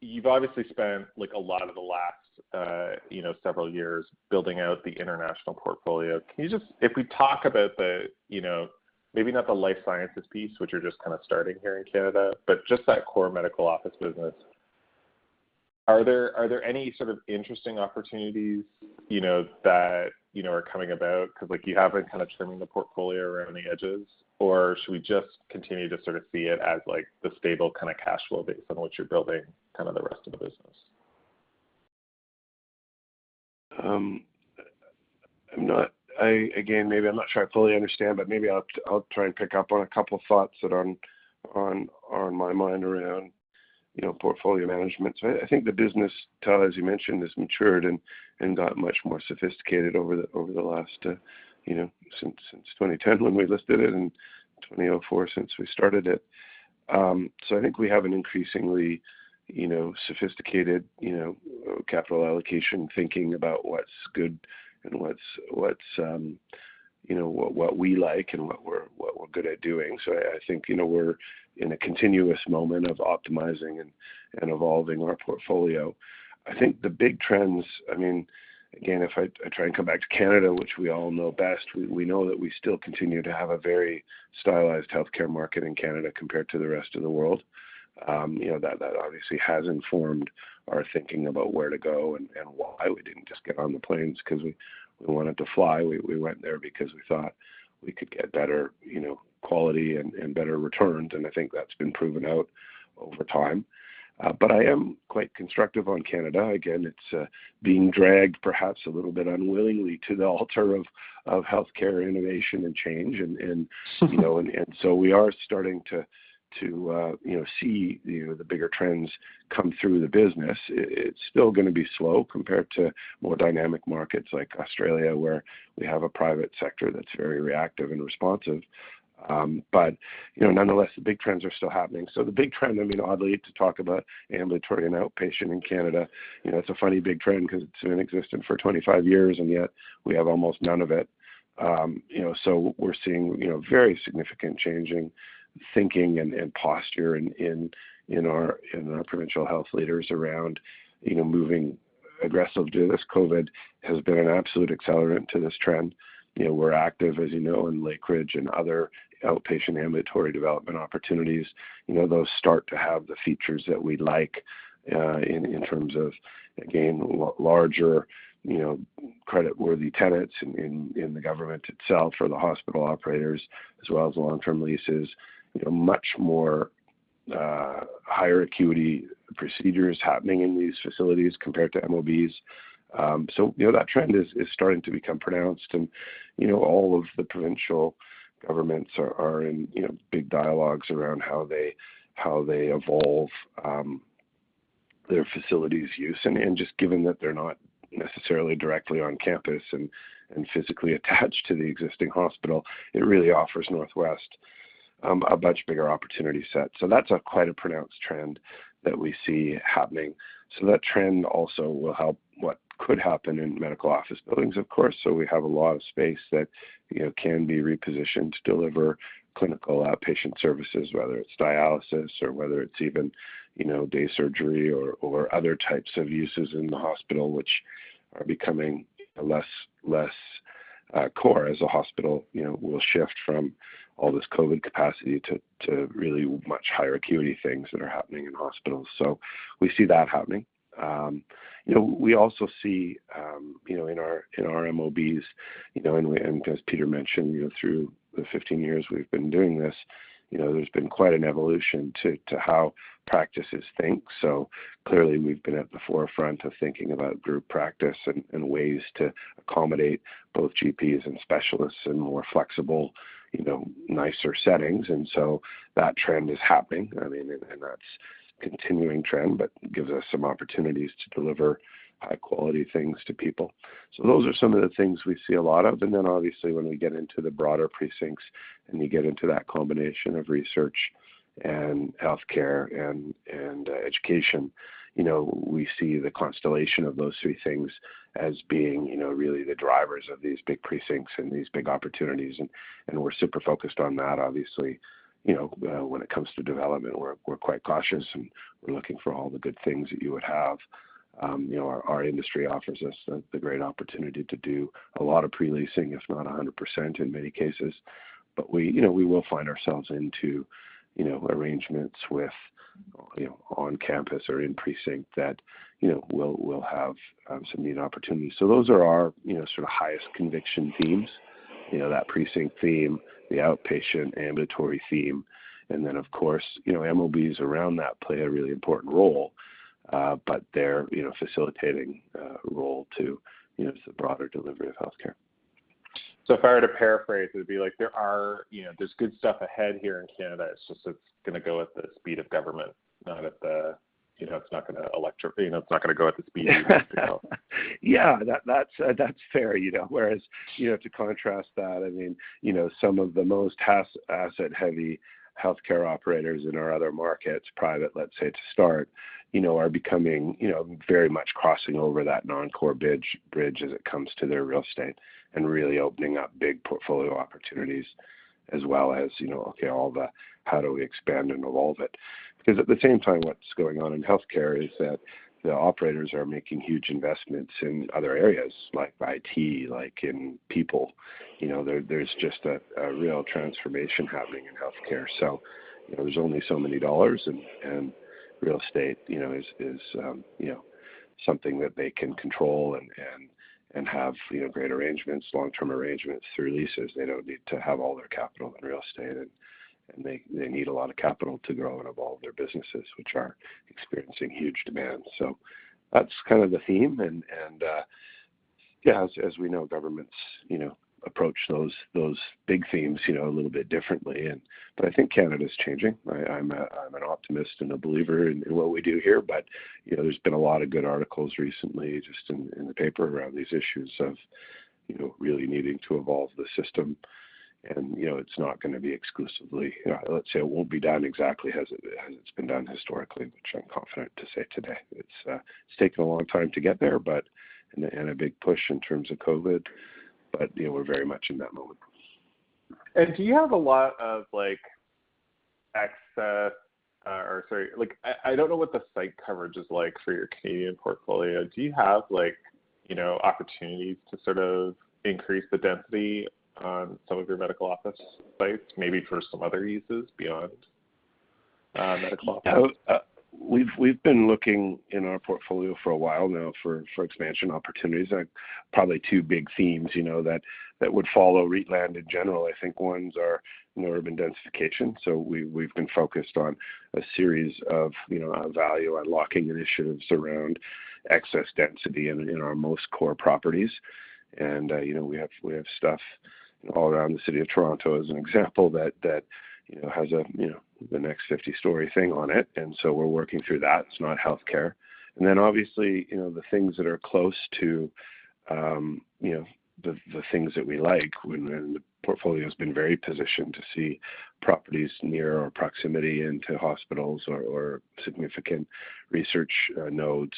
S6: you've obviously spent a lot of the last several years building out the international portfolio. If we talk about the, maybe not the life sciences piece, which you're just kind of starting here in Canada, but just that core medical office business, are there any sort of interesting opportunities that are coming about? Because you have been kind of trimming the portfolio around the edges, or should we just continue to sort of see it as the stable kind of cash flow based on which you're building kind of the rest of the business?
S2: Maybe I'm not sure I fully understand, but maybe I'll try and pick up on a couple thoughts that are on my mind around portfolio management. I think the business, Tal Woolley, as you mentioned, has matured and got much more sophisticated over the last, since 2010 when we listed it, and 2004 since we started it. I think we have an increasingly sophisticated capital allocation, thinking about what's good and what we like and what we're good at doing. I think we're in a continuous moment of optimizing and evolving our portfolio. I think the big trends, again, if I try and come back to Canada, which we all know best, we know that we still continue to have a very stylized healthcare market in Canada compared to the rest of the world. That obviously has informed our thinking about where to go and why we didn't just get on the planes because we wanted to fly. We went there because we thought we could get better quality and better returns, and I think that's been proven out over time. I am quite constructive on Canada. Again, it's being dragged perhaps a little bit unwillingly to the altar of healthcare innovation and change. We are starting to see the bigger trends come through the business. It's still going to be slow compared to more dynamic markets like Australia, where we have a private sector that's very reactive and responsive. Nonetheless, the big trends are still happening. The big trend, oddly, to talk about ambulatory and outpatient in Canada, it's a funny big trend because it's been in existence for 25 years, and yet we have almost none of it. This COVID has been an absolute accelerant to this trend. We're active, as you know, in Lakeridge and other outpatient ambulatory development opportunities. Those start to have the features that we like in terms of, again, larger creditworthy tenants in the government itself or the hospital operators, as well as the long-term leases, much more higher acuity procedures happening in these facilities compared to MOBs. That trend is starting to become pronounced and all of the provincial governments are in big dialogues around how they evolve their facilities use. Just given that they're not necessarily directly on campus and physically attached to the existing hospital, it really offers NorthWest a much bigger opportunity set. That's quite a pronounced trend that we see happening. That trend also will help what could happen in medical office buildings, of course. We have a lot of space that can be repositioned to deliver clinical outpatient services, whether it's dialysis or whether it's even day surgery or other types of uses in the hospital, which are becoming less core as a hospital will shift from all this COVID capacity to really much higher acuity things that are happening in hospitals. We see that happening. We also see in our MOBs, and as Peter mentioned, through the 15 years we've been doing this, there's been quite an evolution to how practices think. Clearly we've been at the forefront of thinking about group practice and ways to accommodate both GPs and specialists in more flexible, nicer settings, that trend is happening. That's a continuing trend, gives us some opportunities to deliver high-quality things to people. Those are some of the things we see a lot of. Obviously, when we get into the broader precincts and we get into that combination of research and healthcare and education, we see the constellation of those three things as being really the drivers of these big precincts and these big opportunities, we're super focused on that, obviously. When it comes to development, we're quite cautious, and we're looking for all the good things that you would have. Our industry offers us the great opportunity to do a lot of pre-leasing, if not 100% in many cases. We will find ourselves into arrangements with on campus or in precinct that we'll have some neat opportunities. Those are our sort of highest conviction themes. That precinct theme, the outpatient ambulatory theme, and then of course, MOBs around that play a really important role. They're facilitating a role to the broader delivery of healthcare.
S6: If I were to paraphrase, it would be like, there's good stuff ahead here in Canada. It's just that it's going to go at the speed of government, it's not going to go at the speed.
S2: Yeah, that's fair. To contrast that, some of the most asset-heavy healthcare operators in our other markets, private, let's say to start, are becoming very much crossing over that non-core bridge as it comes to their real estate and really opening up big portfolio opportunities as well as, okay, all the how do we expand and evolve it. At the same time, what's going on in healthcare is that the operators are making huge investments in other areas like IT, like in people. There's just a real transformation happening in healthcare. There's only so many dollars, and real estate is something that they can control and have great arrangements, long-term arrangements through leases. They don't need to have all their capital in real estate, and they need a lot of capital to grow and evolve their businesses, which are experiencing huge demand. That's kind of the theme and, yeah, as we know, governments approach those big themes a little bit differently. I think Canada's changing. I'm an optimist and a believer in what we do here. There's been a lot of good articles recently just in the paper around these issues of really needing to evolve the system. It's not going to be exclusively, let's say it won't be done exactly as it's been done historically, which I'm confident to say today. It's taken a long time to get there, and a big push in terms of COVID, but we're very much in that moment.
S6: Do you have a lot of excess or sorry, I don't know what the site coverage is like for your Canadian portfolio. Do you have opportunities to sort of increase the density on some of your medical office sites, maybe for some other uses beyond medical office?
S2: We've been looking in our portfolio for a while now for expansion opportunities. Probably two big themes that would follow REIT land in general. I think one's are more urban densification. We've been focused on a series of value unlocking initiatives around excess density in our most core properties. We have stuff all around the city of Toronto as an example that has the next 50-story thing on it. We're working through that. It's not healthcare. Obviously, the things that are close to the things that we like when the portfolio has been very positioned to see properties near or proximity into hospitals or significant research nodes.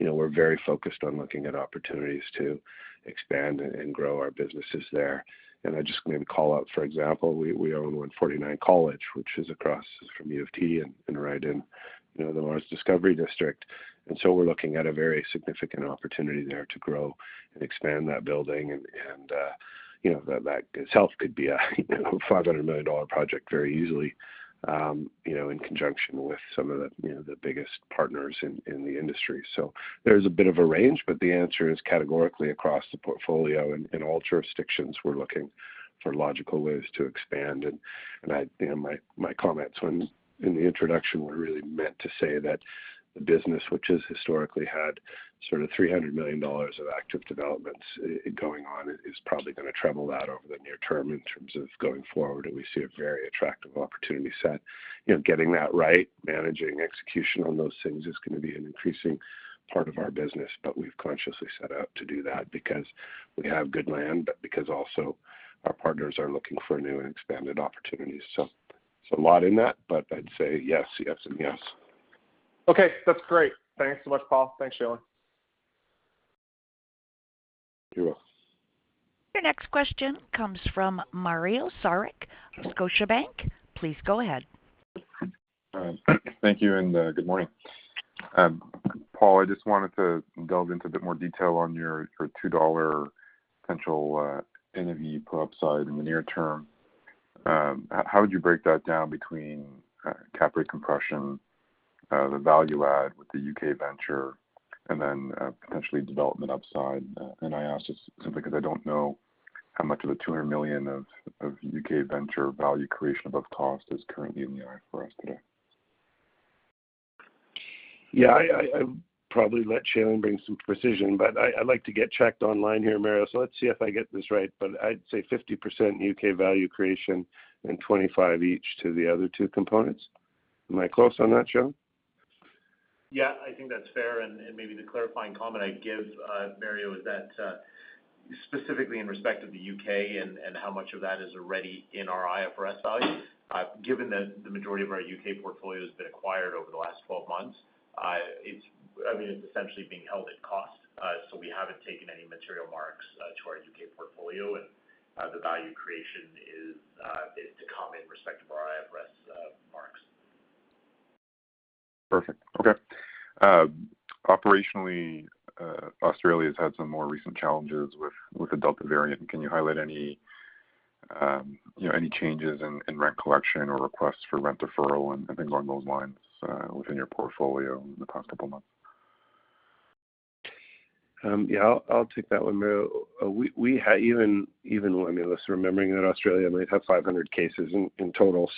S2: We're very focused on looking at opportunities to expand and grow our businesses there. I'd just maybe call out, for example, we own 149 College, which is across from University of Toronto and right in the MaRS Discovery District. We're looking at a very significant opportunity there to grow and expand that building. That itself could be a 500 million dollar project very easily, in conjunction with some of the biggest partners in the industry. There's a bit of a range, but the answer is categorically across the portfolio in all jurisdictions, we're looking for logical ways to expand. My comments when in the introduction were really meant to say that the business which has historically had sort of 300 million dollars of active developments going on is probably going to treble that over the near term in terms of going forward, and we see a very attractive opportunity set. Getting that right, managing execution on those things is going to be an increasing part of our business. We've consciously set out to do that because we have good land, but because also our partners are looking for new and expanded opportunities. There's a lot in that, but I'd say yes, and yes.
S6: Okay. That's great. Thanks so much, Paul. Thanks, Shailen.
S2: You're welcome.
S1: Your next question comes from Mario Saric, Scotiabank. Please go ahead.
S8: Thank you. Good morning. Paul, I just wanted to delve into a bit more detail on your 2 dollar potential NAV upside in the near term. How would you break that down between cap rate compression, the value add with the U.K. venture, then potentially development upside? I ask just simply because I don't know how much of the 200 million of U.K. venture value creation above cost is currently in the IFRS today.
S2: Yeah, I'd probably let Shailen bring some precision, but I like to get checked online here, Mario, so let's see if I get this right. I'd say 50% U.K. value creation and 25 each to the other two components. Am I close on that, Shailen?
S4: Yeah, I think that's fair. Maybe the clarifying comment I'd give, Mario, is that specifically in respect of the U.K. and how much of that is already in our IFRS value, given that the majority of our U.K. portfolio has been acquired over the last 12 months, it's essentially being held at cost. We haven't taken any material marks to our U.K. portfolio, and the value creation is to come in respect of our IFRS marks.
S8: Perfect. Okay. Operationally, Australia's had some more recent challenges with the Delta variant. Can you highlight any changes in rent collection or requests for rent deferral and things along those lines within your portfolio in the past couple months?
S2: Yeah, I'll take that one, Mario. Let's remembering that Australia might have 500 cases in total.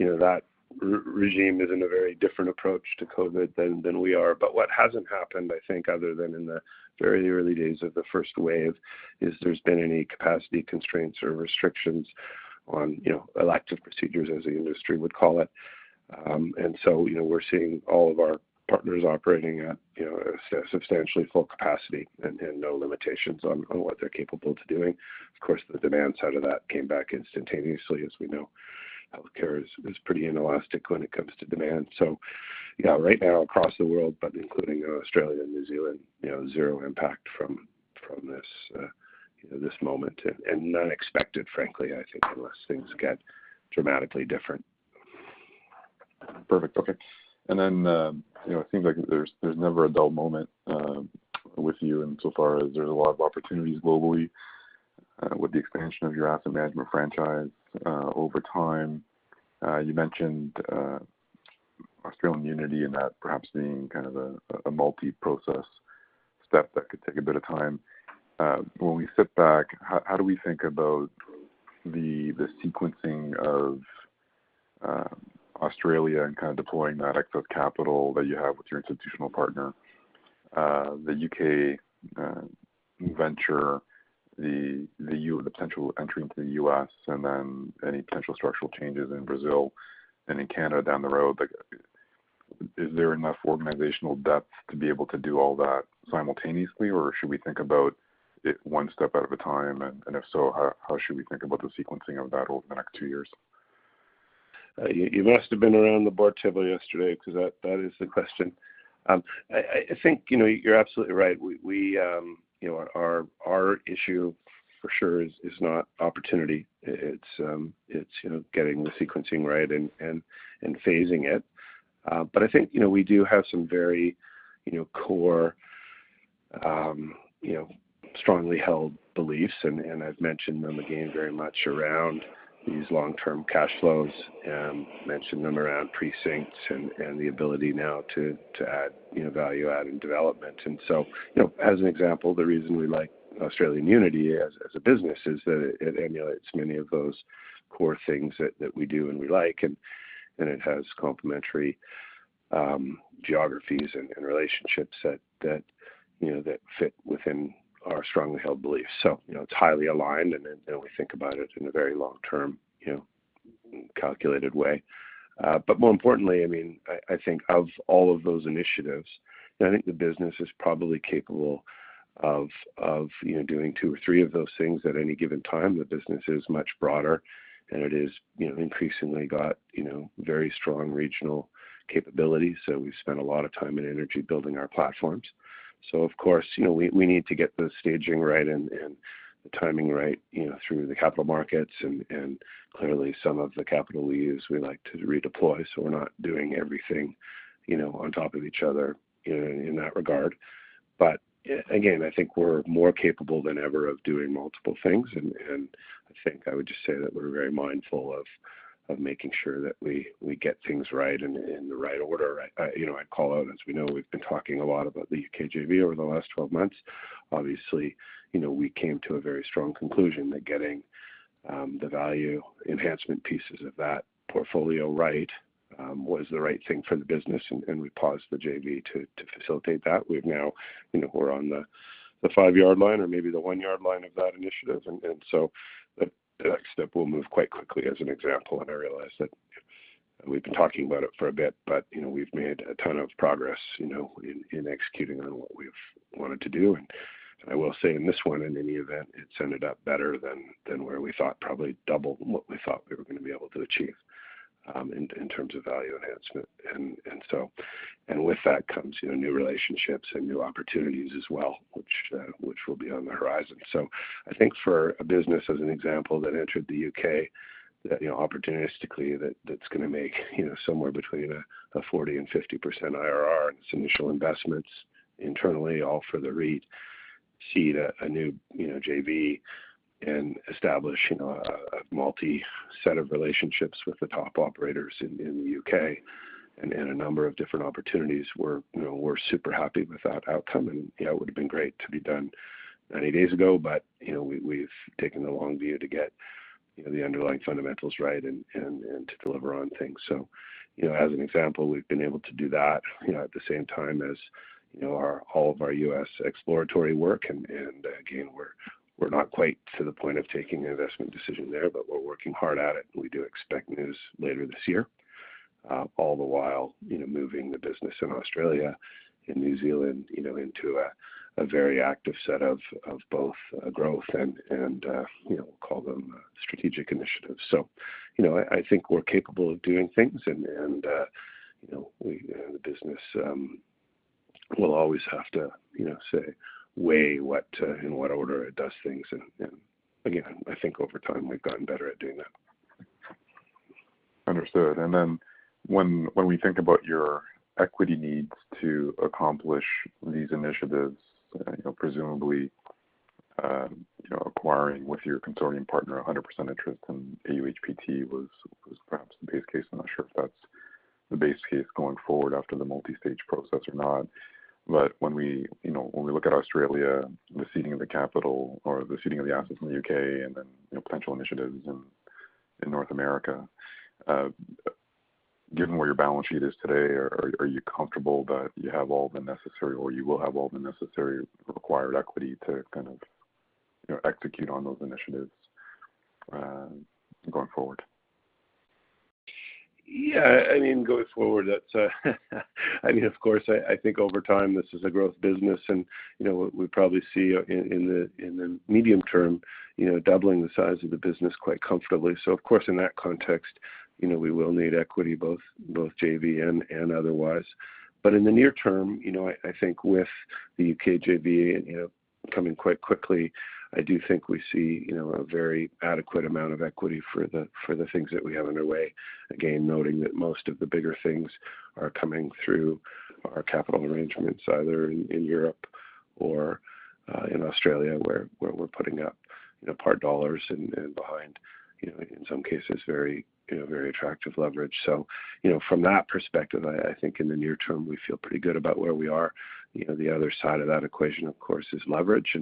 S2: That regime is in a very different approach to COVID than we are. What hasn't happened, I think, other than in the very early days of the first wave, is there's been any capacity constraints or restrictions on elective procedures as the industry would call it. We're seeing all of our partners operating at substantially full capacity and no limitations on what they're capable to doing. Of course, the demand side of that came back instantaneously. As we know, healthcare is pretty inelastic when it comes to demand. Right now across the world, but including Australia and New Zealand, zero impact from this moment and none expected, frankly, I think unless things get dramatically different.
S8: Perfect. Okay. It seems like there's never a dull moment with you in so far as there's a lot of opportunities globally with the expansion of your asset management franchise over time. You mentioned Australian Unity and that perhaps being kind of a multi-process step that could take a bit of time. When we sit back, how do we think about the sequencing of Australia and kind of deploying that excess capital that you have with your institutional partner, the U.K. venture, the potential entry into the U.S., and then any potential structural changes in Brazil and in Canada down the road? Is there enough organizational depth to be able to do all that simultaneously, or should we think about it one step at a time, and if so, how should we think about the sequencing of that over the next two years?
S2: You must have been around the bar table yesterday because that is the question. I think you're absolutely right. Our issue for sure is not opportunity. It's getting the sequencing right and phasing it. I think we do have some very core, strongly held beliefs, and I've mentioned them again very much around these long-term cash flows, mentioned them around precincts and the ability now to add value add and development. As an example, the reason we like Australian Unity as a business is that it emulates many of those core things that we do and we like, and it has complementary geographies and relationships that fit within our strongly held beliefs. It's highly aligned, and we think about it in a very long-term, calculated way. More importantly, I think of all of those initiatives, I think the business is probably capable of doing two or three of those things at any given time. The business is much broader than it is. Increasingly got very strong regional capabilities. We've spent a lot of time and energy building our platforms. Of course, we need to get the staging right and the timing right through the capital markets. Clearly some of the capital we use, we like to redeploy. We're not doing everything on top of each other in that regard. Again, I think we're more capable than ever of doing multiple things. I think I would just say that we're very mindful of making sure that we get things right in the right order. I'd call out, as we know, we've been talking a lot about the U.K. JV over the last 12 months. Obviously, we came to a very strong conclusion that getting the value enhancement pieces of that portfolio right was the right thing for the business. We paused the JV to facilitate that. We're on the five-yard line or maybe the one-yard line of that initiative. The next step will move quite quickly as an example. I realize that we've been talking about it for a bit. We've made a ton of progress in executing on what we've wanted to do. I will say in this one, in any event, it's ended up better than where we thought, probably double what we thought we were going to be able to achieve in terms of value enhancement. With that comes new relationships and new opportunities as well, which will be on the horizon. I think for a business as an example that entered the U.K. opportunistically that's going to make somewhere between a 40%-50% IRR on its initial investments internally, all for the REIT seed a new JV and establish a multi-set of relationships with the top operators in the U.K. and a number of different opportunities. We're super happy with that outcome. It would have been great to be done 90 days ago, but we've taken the long view to get the underlying fundamentals right and to deliver on things. As an example, we've been able to do that at the same time as all of our U.S. exploratory work. Again, we're not quite to the point of taking an investment decision there, but we're working hard at it. We do expect news later this year, all the while moving the business in Australia and New Zealand into a very active set of both growth and we'll call them strategic initiatives. I think we're capable of doing things, and the business will always have to say, weigh in what order it does things. Again, I think over time we've gotten better at doing that.
S8: Understood. When we think about your equity needs to accomplish these initiatives, presumably acquiring with your consortium partner 100% interest in AUHPT was perhaps the base case. I'm not sure if that's the base case going forward after the multi-stage process or not. When we look at Australia, the seeding of the capital or the seeding of the assets in the U.K., and then potential initiatives in North America, given where your balance sheet is today, are you comfortable that you have all the necessary, or you will have all the necessary required equity to kind of execute on those initiatives going forward?
S2: Yeah. Of course, I think over time, this is a growth business, and we probably see in the medium term doubling the size of the business quite comfortably. Of course, in that context we will need equity, both JV and otherwise. In the near term, I think with the U.K. JV coming quite quickly, I do think we see a very adequate amount of equity for the things that we have underway. Again, noting that most of the bigger things are coming through our capital arrangements, either in Europe or in Australia, where we're putting up par dollars and behind, in some cases, very attractive leverage. From that perspective, I think in the near term, we feel pretty good about where we are. The other side of that equation, of course, is leverage.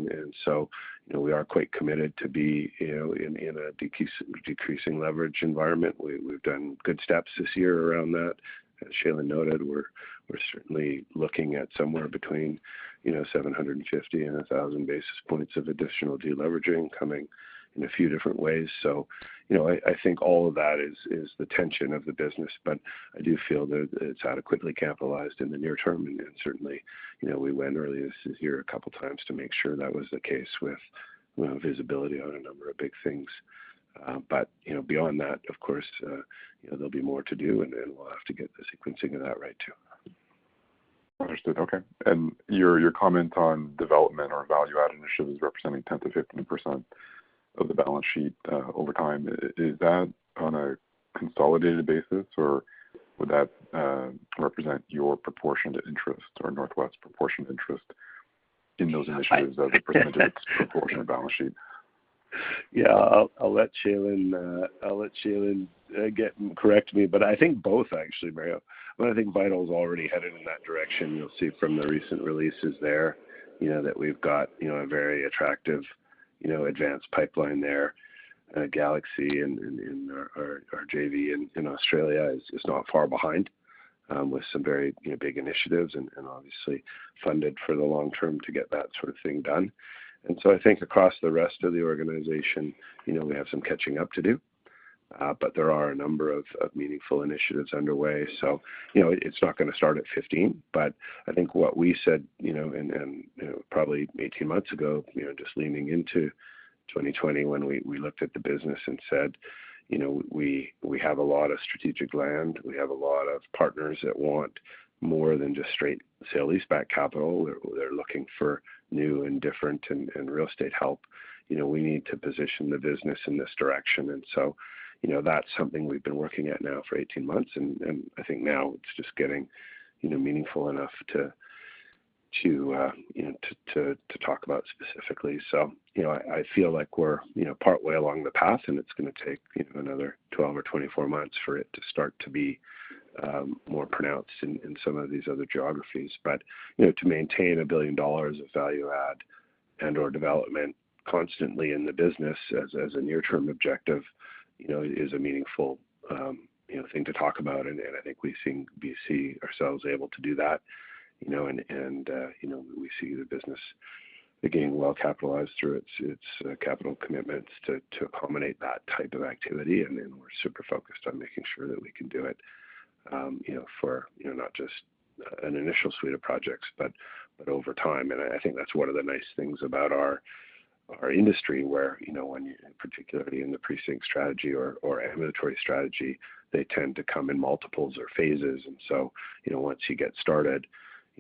S2: We are quite committed to be in a decreasing leverage environment. We've done good steps this year around that. As Shailen noted, we're certainly looking at somewhere between 750 and 1,000 basis points of additional de-leveraging coming in a few different ways. I think all of that is the tension of the business, but I do feel that it's adequately capitalized in the near term. Certainly, we went early this year a couple of times to make sure that was the case with visibility on a number of big things. Beyond that, of course, there'll be more to do, we'll have to get the sequencing of that right, too.
S8: Understood. Okay. Your comment on development or value add initiatives representing 10%-15% of the balance sheet over time, is that on a consolidated basis, or would that represent your proportionate interest or NorthWest's proportion interest in those initiatives as a percentage proportion of balance sheet?
S2: Yeah. I'll let Shailen correct me, but I think both actually, Mario. I think Vital's already headed in that direction. You'll see from the recent releases there, that we've got a very attractive advanced pipeline there. Galaxy and our JV in Australia is not far behind with some very big initiatives and obviously funded for the long term to get that sort of thing done. I think across the rest of the organization, we have some catching up to do. There are a number of meaningful initiatives underway, so it's not going to start at 15. I think what we said probably 18 months ago, just leaning into 2020 when we looked at the business and said we have a lot of strategic land. We have a lot of partners that want more than just straight sale leaseback capital. They're looking for new and different and real estate help. We need to position the business in this direction. That's something we've been working at now for 18 months, and I think now it's just getting meaningful enough to talk about specifically. I feel like we're partway along the path, and it's going to take another 12 or 24 months for it to start to be more pronounced in some of these other geographies. To maintain 1 billion dollars of value add and/or development constantly in the business as a near term objective is a meaningful thing to talk about. I think we see ourselves able to do that, and we see the business, again, well capitalized through its capital commitments to accommodate that type of activity. Then we're super focused on making sure that we can do it for not just an initial suite of projects, but over time. I think that's one of the nice things about our industry where when, particularly in the precinct strategy or ambulatory strategy, they tend to come in multiples or phases. Once you get started,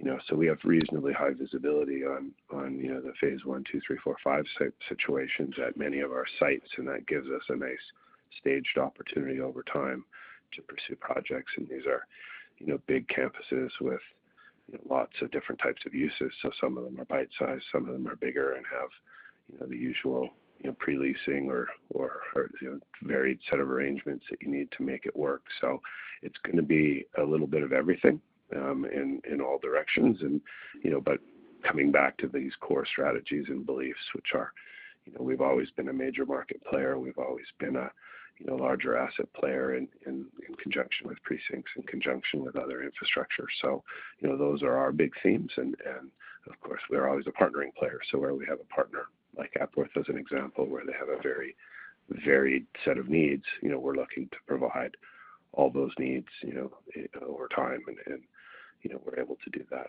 S2: we have reasonably high visibility on the phase I, II, III, IV, V type situations at many of our sites, and that gives us a nice staged opportunity over time to pursue projects. These are big campuses with lots of different types of uses. Some of them are bite-sized, some of them are bigger and have the usual pre-leasing or varied set of arrangements that you need to make it work. It's going to be a little bit of everything in all directions. Coming back to these core strategies and beliefs. We've always been a major market player. We've always been a larger asset player in conjunction with precincts, in conjunction with other infrastructure. Those are our big themes, and of course, we're always a partnering player. Where we have a partner like Epworth as an example, where they have a very varied set of needs, we're looking to provide all those needs over time, and we're able to do that.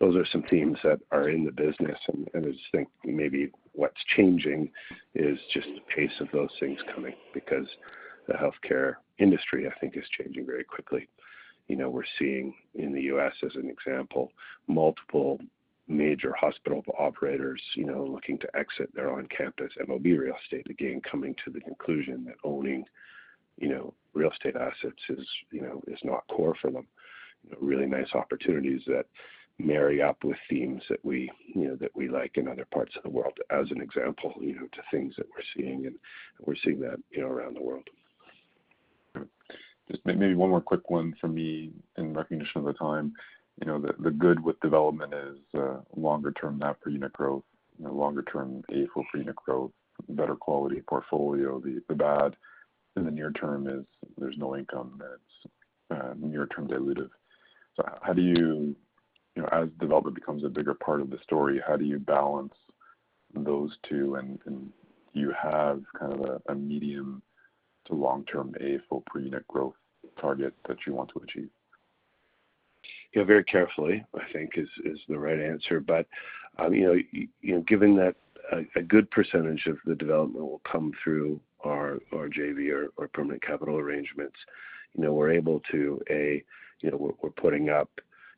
S2: Those are some themes that are in the business, and I just think maybe what's changing is just the pace of those things coming because the healthcare industry, I think, is changing very quickly. We're seeing in the U.S., as an example, multiple major hospital operators looking to exit their own campus MOB real estate. Again, coming to the conclusion that owning real estate assets is not core for them. Really nice opportunities that marry up with themes that we like in other parts of the world as an example to things that we're seeing, and we're seeing that around the world.
S8: Just maybe one more quick one from me. In recognition of the time, the good with development is longer-term NAV per unit growth, longer-term AFFO per unit growth, better quality portfolio. The bad in the near-term is there is no income that is near-term dilutive. As development becomes a bigger part of the story, how do you balance those two, and do you have a medium-to-long-term AFFO per unit growth target that you want to achieve?
S2: Very carefully, I think is the right answer. Given that a good percentage of the development will come through our JV or permanent capital arrangements, we're putting up,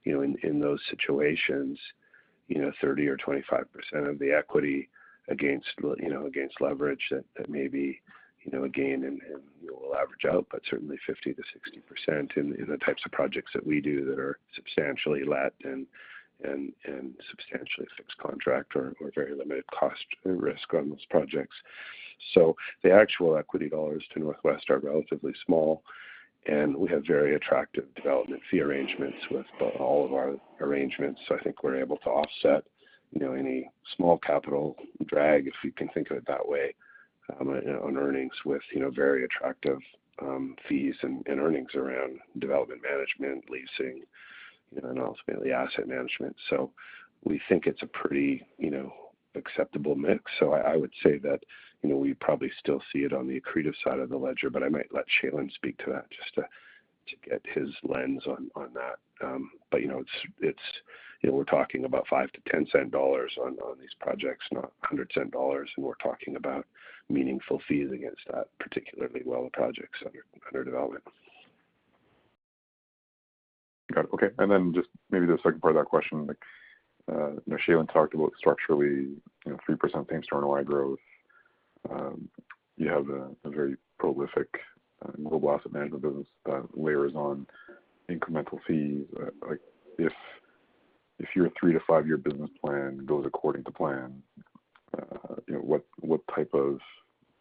S2: in those situations, 30% or 25% of the equity against leverage. That may be, again, and we will average out, but certainly 50%-60% in the types of projects that we do that are substantially let and substantially fixed contract or very limited cost risk on those projects. The actual equity dollars to NorthWest are relatively small, and we have very attractive development fee arrangements with all of our arrangements. I think we're able to offset any small capital drag, if you can think of it that way, on earnings with very attractive fees and earnings around development management, leasing, and ultimately asset management. We think it's a pretty acceptable mix. I would say that we probably still see it on the accretive side of the ledger, but I might let Shailen speak to that just to get his lens on that. We're talking about $0.05-$0.10 cent dollars on these projects, not $1, and we're talking about meaningful fees against that, particularly well projects under development.
S8: Got it. Okay. Just maybe the second part of that question, Shailen talked about structurally 3% same-store NOI growth. You have a very prolific global asset management business that layers on incremental fees. If your three to five-year business plan goes according to plan, what type of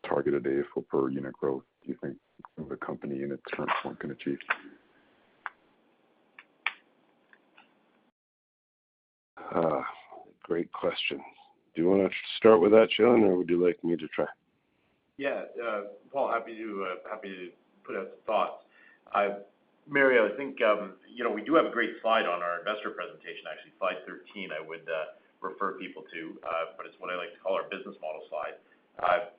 S8: targeted AFFO per unit growth do you think the company unit standpoint can achieve?
S2: Great question. Do you want to start with that, Shailen, or would you like me to try?
S4: Yeah. Paul, happy to put out some thoughts. Mario, I think we do have a great slide on our investor presentation, actually. Slide 13, I would refer people to, but it's what I like to call our business model slide. At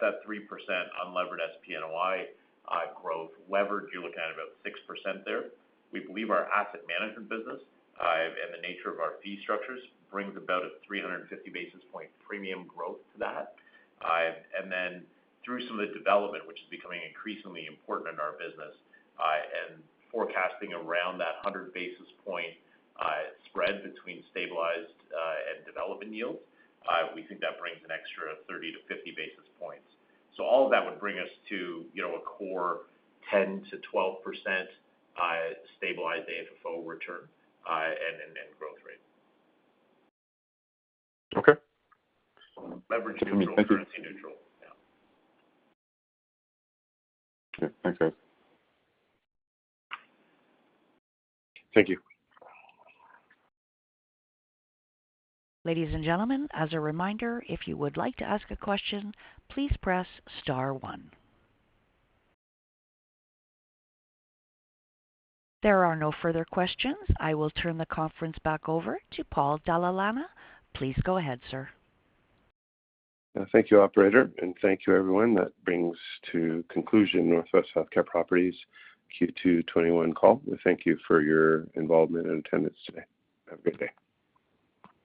S4: that 3% unlevered SP NOI growth levered, you look at about 6% there. We believe our asset management business and the nature of our fee structures brings about a 350 basis points premium growth to that. Through some of the development, which is becoming increasingly important in our business, and forecasting around that 100 basis points spread between stabilized and development yields, we think that brings an extra 30 basis points-50 basis points. All of that would bring us to a core 10%-12% stabilized AFFO return and growth rate.
S8: Okay.
S4: Leverage neutral, currency neutral. Yeah.
S8: Okay. Thanks, guys.
S4: Thank you.
S1: Ladies and gentlemen, as a reminder, if you would like to ask a question, please press star one. There are no further questions. I will turn the conference back over to Paul Dalla Lana. Please go ahead, sir.
S2: Thank you, operator, and thank you, everyone. That brings to conclusion NorthWest Healthcare Properties Q2 2021 call. Thank you for your involvement and attendance today. Have a great day.